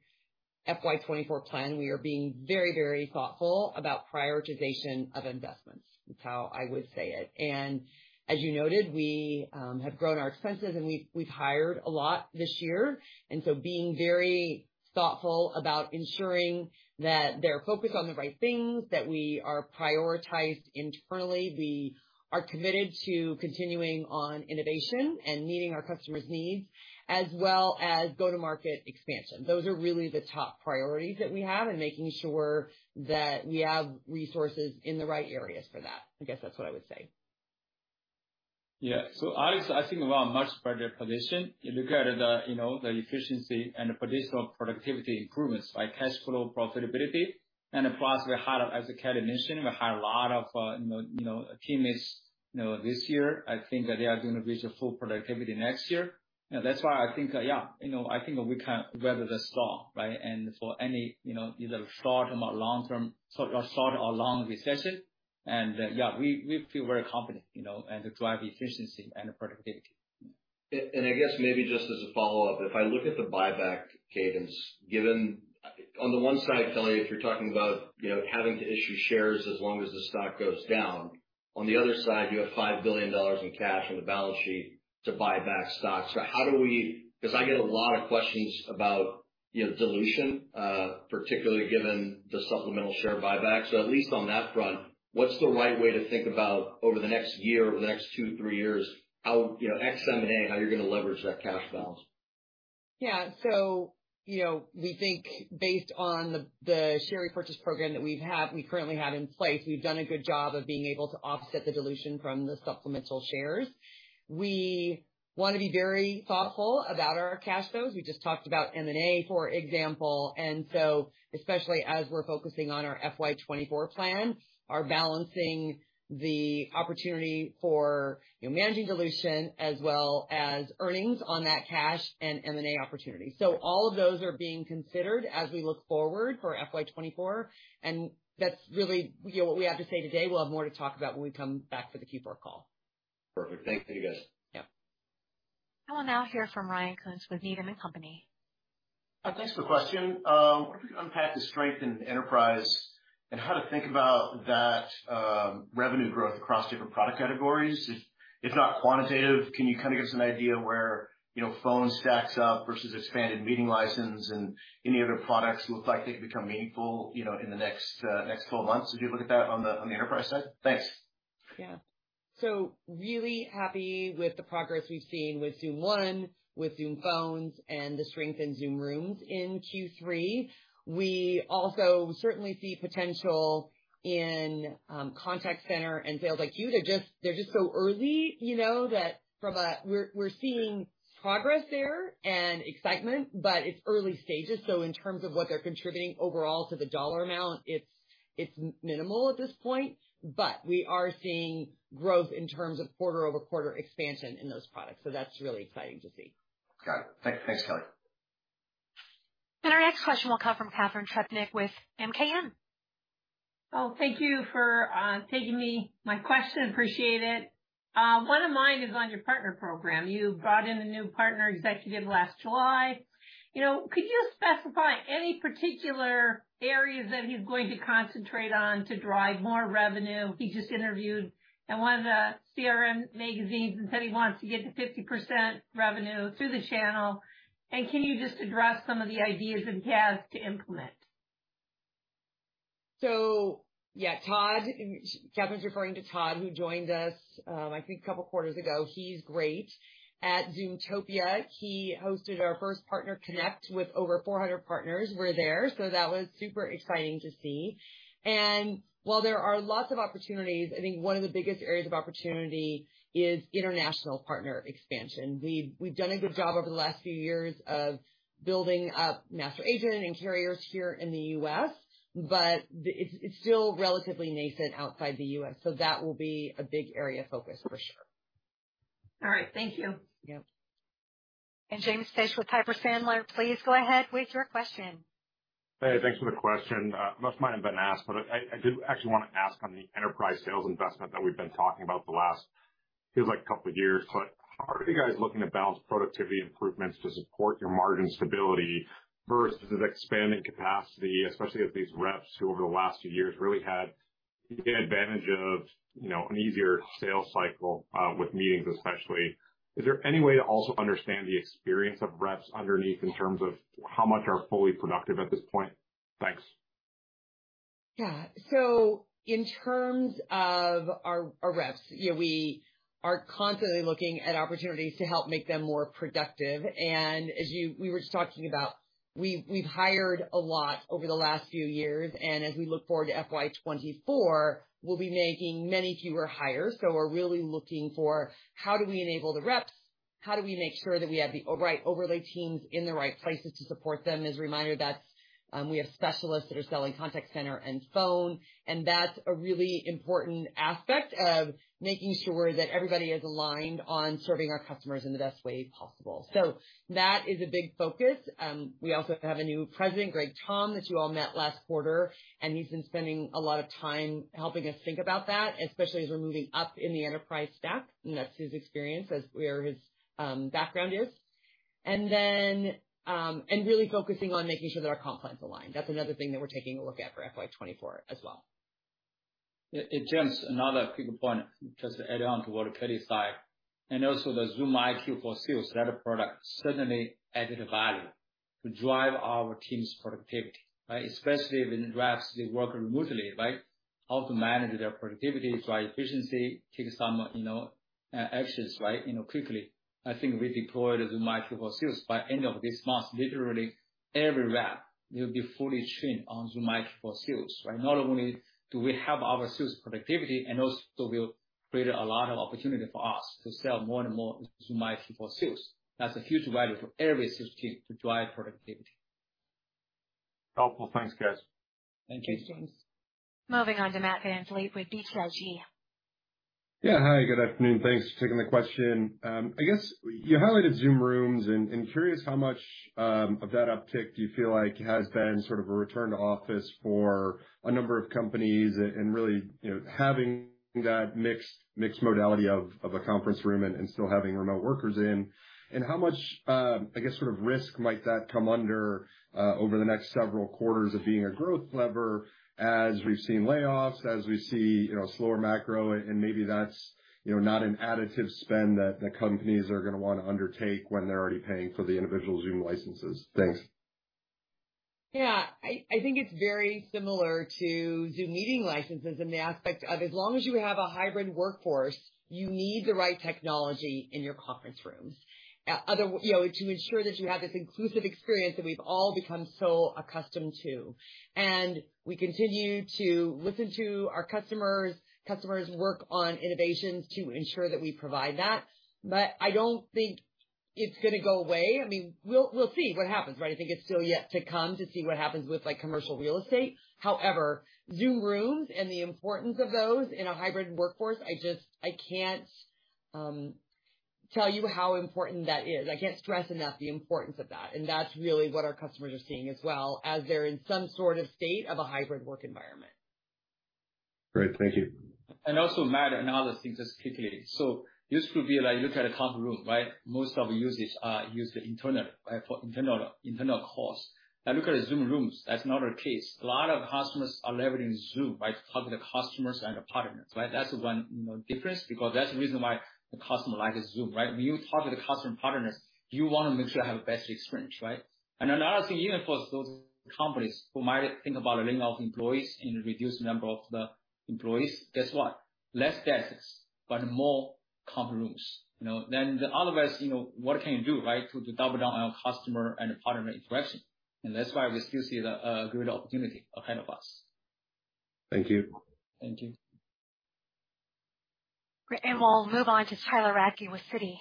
FY 2024 plan, we are being very, very thoughtful about prioritization of investments, is how I would say it. As you noted, we have grown our expenses, and we've hired a lot this year, and so being very thoughtful about ensuring that they're focused on the right things, that we are prioritized internally. We are committed to continuing on innovation and meeting our customers' needs as well as go-to-market expansion. Those are really the top priorities that we have in making sure that we have resources in the right areas for that. I guess that's what I would say. Yeah. I think we are in a much better position. You look at the, you know, the efficiency and the potential productivity improvements like cash flow profitability. Plus we hired, as Kelly mentioned, we hired a lot of, you know, teammates, you know, this year. I think that they are gonna reach their full productivity next year. You know, that's why I think, you know, I think we can weather the storm, right? For any, you know, either short-term or long-term, short or long recession, we feel very confident, you know, as we drive efficiency and productivity. I guess maybe just as a follow-up, if I look at the buyback cadence given. On the one side, Kelly, if you're talking about, you know, having to issue shares as long as the stock goes down. On the other side, you have $5 billion in cash on the balance sheet to buy back stocks. How do we? 'Cause I get a lot of questions about, you know, dilution, particularly given the supplemental share buyback. At least on that front, what's the right way to think about over the next year, over the next two, three years, how, you know, ex M&A, how you're gonna leverage that cash balance? You know, we think based on the share repurchase program that we've had, we currently have in place, we've done a good job of being able to offset the dilution from the supplemental shares. We wanna be very thoughtful about our cash flows. We just talked about M&A, for example. Especially as we're focusing on our FY 2024 plan, are balancing the opportunity for, you know, managing dilution as well as earnings on that cash and M&A opportunity. All of those are being considered as we look forward for FY 2024, and that's really, you know, what we have to say today. We'll have more to talk about when we come back for the Q4 call. Perfect. Thanks to you guys. Yeah. We'll now hear from Ryan Koontz with Needham & Co. Thanks for the question. I wonder if you could unpack the strength in enterprise and how to think about that revenue growth across different product categories. If, if not quantitative, can you kind of give us an idea where, you know, Phone stacks up versus expanded Meeting License and any other products look like they could become meaningful, you know, in the next 12 months as you look at that on the enterprise side? Thanks. Really happy with the progress we've seen with Zoom One, with Zoom Phone, and the strength in Zoom Rooms in Q3. We also certainly see potential in Contact Center and Zoom IQ for Sales. They're just so early, you know, that We're seeing progress there and excitement, but it's early stages, so in terms of what they're contributing overall to the dollar amount, it's minimal at this point. We are seeing growth in terms of quarter-over-quarter expansion in those products, so that's really exciting to see. Got it. Thank you. Thanks, Kelly. Our next question will come from Catharine Trebnick with MKM. Oh, thank you for taking me, my question. Appreciate it. One of mine is on your partner program. You brought in a new partner executive last July. You know, could you specify any particular areas that he's going to concentrate on to drive more revenue? He just interviewed at one of the CRM magazines and said he wants to get to 50% revenue through the channel. Can you just address some of the ideas that he has to implement? Yeah, Todd, and Catharine's referring to Todd, who joined us, I think a couple of quarters ago. He's great. At Zoomtopia, he hosted our first Partner Connect with over 400 partners. We're there, so that was super exciting to see. While there are lots of opportunities, I think one of the biggest areas of opportunity is international partner expansion. We've done a good job over the last few years of building up master agent and carriers here in the U.S.. It's still relatively nascent outside the U.S., so that will be a big area of focus for sure. All right. Thank you. Yep. James Fish with Piper Sandler, please go ahead with your question. Hey, thanks for the question. Most might have been asked, but I do actually wanna ask on the enterprise sales investment that we've been talking about the last, feels like couple years. How are you guys looking to balance productivity improvements to support your margin stability versus expanding capacity, especially as these reps who over the last few years really had the advantage of, you know, an easier sales cycle, with meetings especially? Is there any way to also understand the experience of reps underneath in terms of how much are fully productive at this point? Thanks. In terms of our reps, you know, we are constantly looking at opportunities to help make them more productive. As we were just talking about, we've hired a lot over the last few years, and as we look forward to FY 2024, we'll be making many fewer hires. We're really looking for how do we enable the reps? How do we make sure that we have the right overlay teams in the right places to support them? As a reminder, that's, we have specialists that are selling Contact Center and Phone, and that's a really important aspect of making sure that everybody is aligned on serving our customers in the best way possible. That is a big focus. We also have a new President, Greg Tomb, that you all met last quarter, and he's been spending a lot of time helping us think about that, especially as we're moving up in the enterprise stack, and that's his experience, as where his background is. Really focusing on making sure that our comp plans align. That's another thing that we're taking a look at for FY 2024 as well. James, another quick point just to add on to what Kelly said, and also the Zoom IQ for Sales, that product certainly added value to drive our team's productivity, right? Especially when the reps, they work remotely, right? How to manage their productivity, drive efficiency, take some, you know, actions, right, you know, quickly. I think we deployed Zoom IQ for Sales. By end of this month, literally every rep will be fully trained on Zoom IQ for Sales, right? Not only do we help our sales productivity and also will create a lot of opportunity for us to sell more and more Zoom IQ for Sales. That's a huge value for every sales team to drive productivity. Helpful. Thanks, guys. Thank you, James. Moving on to Matt VanVliet with BTIG. Yeah, hi, good afternoon. Thanks for taking the question. I guess you highlighted Zoom Rooms and curious how much of that uptick do you feel like has been sort of a return to office for a number of companies and really, you know, having that mixed modality of a conference room and still having remote workers in? How much, I guess, sort of risk might that come under over the next several quarters of being a growth lever as we've seen layoffs, as we see, you know, slower macro, maybe that's, you know, not an additive spend that companies are gonna wanna undertake when they're already paying for the individual Zoom licenses. Thanks. Yeah. I think it's very similar to Zoom meeting licenses in the aspect of, as long as you have a hybrid workforce, you need the right technology in your conference rooms. You know, to ensure that you have this inclusive experience that we've all become so accustomed to. We continue to listen to our customers work on innovations to ensure that we provide that. I don't think it's gonna go away. I mean, we'll see what happens, right? I think it's still yet to come to see what happens with like, commercial real estate. However, Zoom Rooms and the importance of those in a hybrid workforce, I just... I can't tell you how important that is. I can't stress enough the importance of that, and that's really what our customers are seeing as well, as they're in some sort of state of a hybrid work environment. Great. Thank you. Also, Matt, another thing, just quickly. Used to be like, you look at a conference room, right? Most of the usage, used to internal, right, for internal cost. Now look at Zoom Rooms, that's not the case. A lot of customers are leveraging Zoom, right, to talk to the customers and the partners, right? That's the one, you know, difference because that's the reason why the customer likes Zoom, right? When you talk with the customer and partners, you wanna make sure they have the best experience, right? Another thing, even for those companies who might think about laying off employees and reduce the number of the employees, guess what? Less desks, but more conference rooms. You know, then the otherwise, you know, what can you do, right, to double down on customer and partner interaction? That's why we still see a good opportunity ahead of us. Thank you. Thank you. Great. We'll move on to Tyler Radke with Citi.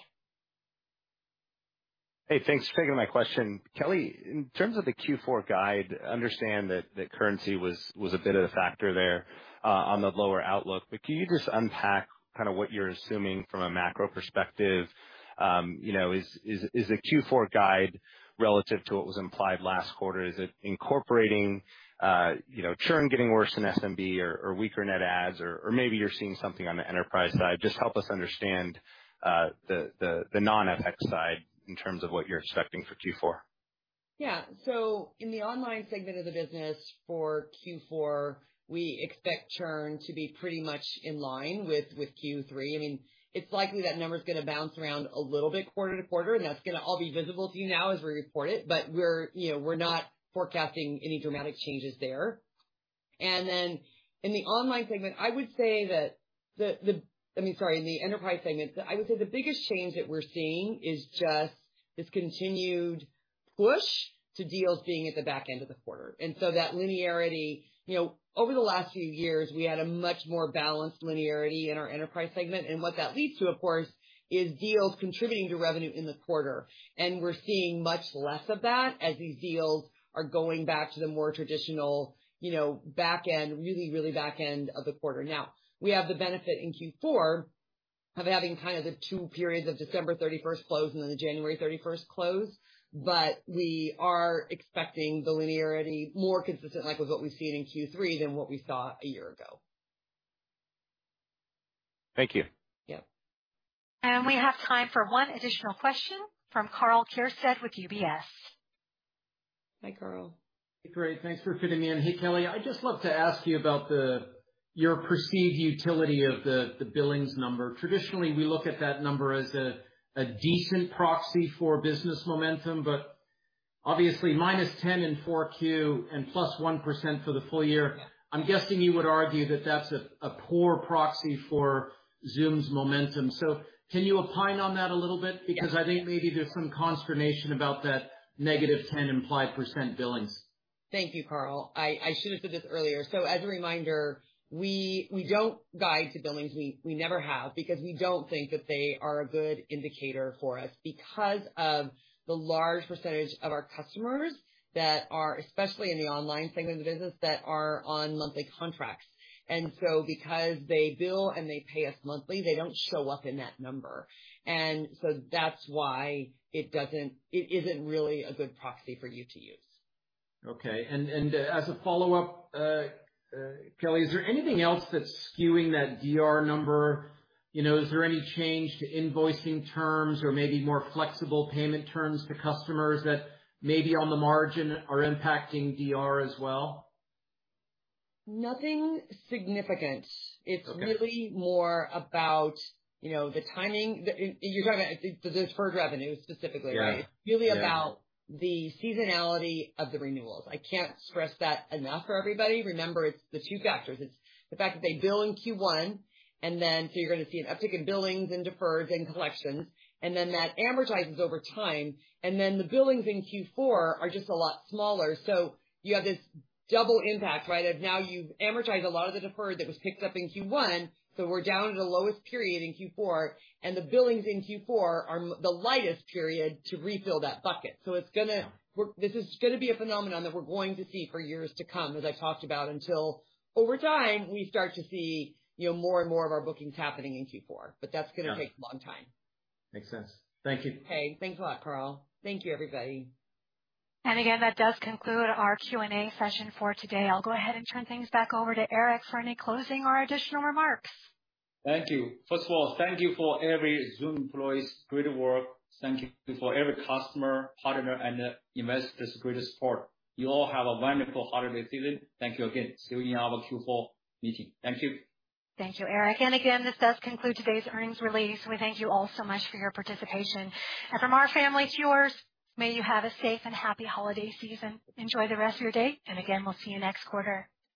Hey, thanks for taking my question. Kelly, in terms of the Q4 guide, understand that the currency was a bit of a factor there on the lower outlook. Can you just unpack kinda what you're assuming from a macro perspective? You know, is the Q4 guide relative to what was implied last quarter? Is it incorporating, you know, churn getting worse than SMB or weaker net adds? maybe you're seeing something on the enterprise side. Just help us understand the non-FX side in terms of what you're expecting for Q4? Yeah. In the online segment of the business for Q4, we expect churn to be pretty much in line with Q3. I mean, it's likely that number's gonna bounce around a little bit quarter to quarter, and that's gonna all be visible to you now as we report it. But we're, you know, we're not forecasting any dramatic changes there. In the online segment, I would say that I mean, sorry, in the enterprise segment, I would say the biggest change that we're seeing is just this continued push to deals being at the back end of the quarter. That linearity, you know, over the last few years, we had a much more balanced linearity in our enterprise segment, and what that leads to, of course, is deals contributing to revenue in the quarter. We're seeing much less of that as these deals are going back to the more traditional, you know, back end, really, really back end of the quarter. Now, we have the benefit in Q4. Of having kind of the two periods of December 31st close and then the January 31st close. We are expecting the linearity more consistent, like with what we've seen in Q3 than what we saw a year ago. Thank you. Yeah. We have time for one additional question from Karl Keirstead with UBS. Hi, Karl. Hey, great. Thanks for fitting in. Hey, Kelly, I'd just love to ask you about the, your perceived utility of the billings number. Traditionally, we look at that number as a decent proxy for business momentum, but obviously -10% in 4Q and +1% for the full year. Yeah. I'm guessing you would argue that that's a poor proxy for Zoom's momentum. Can you opine on that a little bit? Yeah. I think maybe there's some consternation about that -10% implied billings. Thank you, Karl. I should have said this earlier. As a reminder, we don't guide to billings, we never have, because we don't think that they are a good indicator for us because of the large percentage of our customers that are, especially in the online segment of the business, that are on monthly contracts. Because they bill and they pay us monthly, they don't show up in that number. That's why it doesn't, it isn't really a good proxy for you to use. Okay. As a follow-up, Kelly, is there anything else that's skewing that DR number? You know, is there any change to invoicing terms or maybe more flexible payment terms to customers that maybe on the margin are impacting DR as well? Nothing significant. Okay. It's really more about, you know, the timing. The deferred revenue specifically, right? Yeah. About the seasonality of the renewals. I can't stress that enough for everybody. It's the two factors. It's the fact that they bill in Q1, and then so you're gonna see an uptick in billings and deferreds and collections, and then that amortizes over time. The billings in Q4 are just a lot smaller. You have this double impact, right? Of now you've amortized a lot of the deferred that was picked up in Q1, so we're down at a lowest period in Q4, and the billings in Q4 are the lightest period to refill that bucket. This is gonna be a phenomenon that we're going to see for years to come, as I talked about, until over time, we start to see, you know, more and more of our bookings happening in Q4. Got it. That's gonna take a long time. Makes sense. Thank you. Okay. Thanks a lot, Karl. Thank you, everybody. Again, that does conclude our Q&A session for today. I'll go ahead and turn things back over to Eric for any closing or additional remarks. Thank you. First of all, thank you for every Zoom employee's great work. Thank you for every customer, partner, and investor's great support. You all have a wonderful holiday season. Thank you again. See you in our Q4 meeting. Thank you. Thank you, Eric. Again, this does conclude today's earnings release. We thank you all so much for your participation. From our family to yours, may you have a safe and happy holiday season. Enjoy the rest of your day, and again, we'll see you next quarter.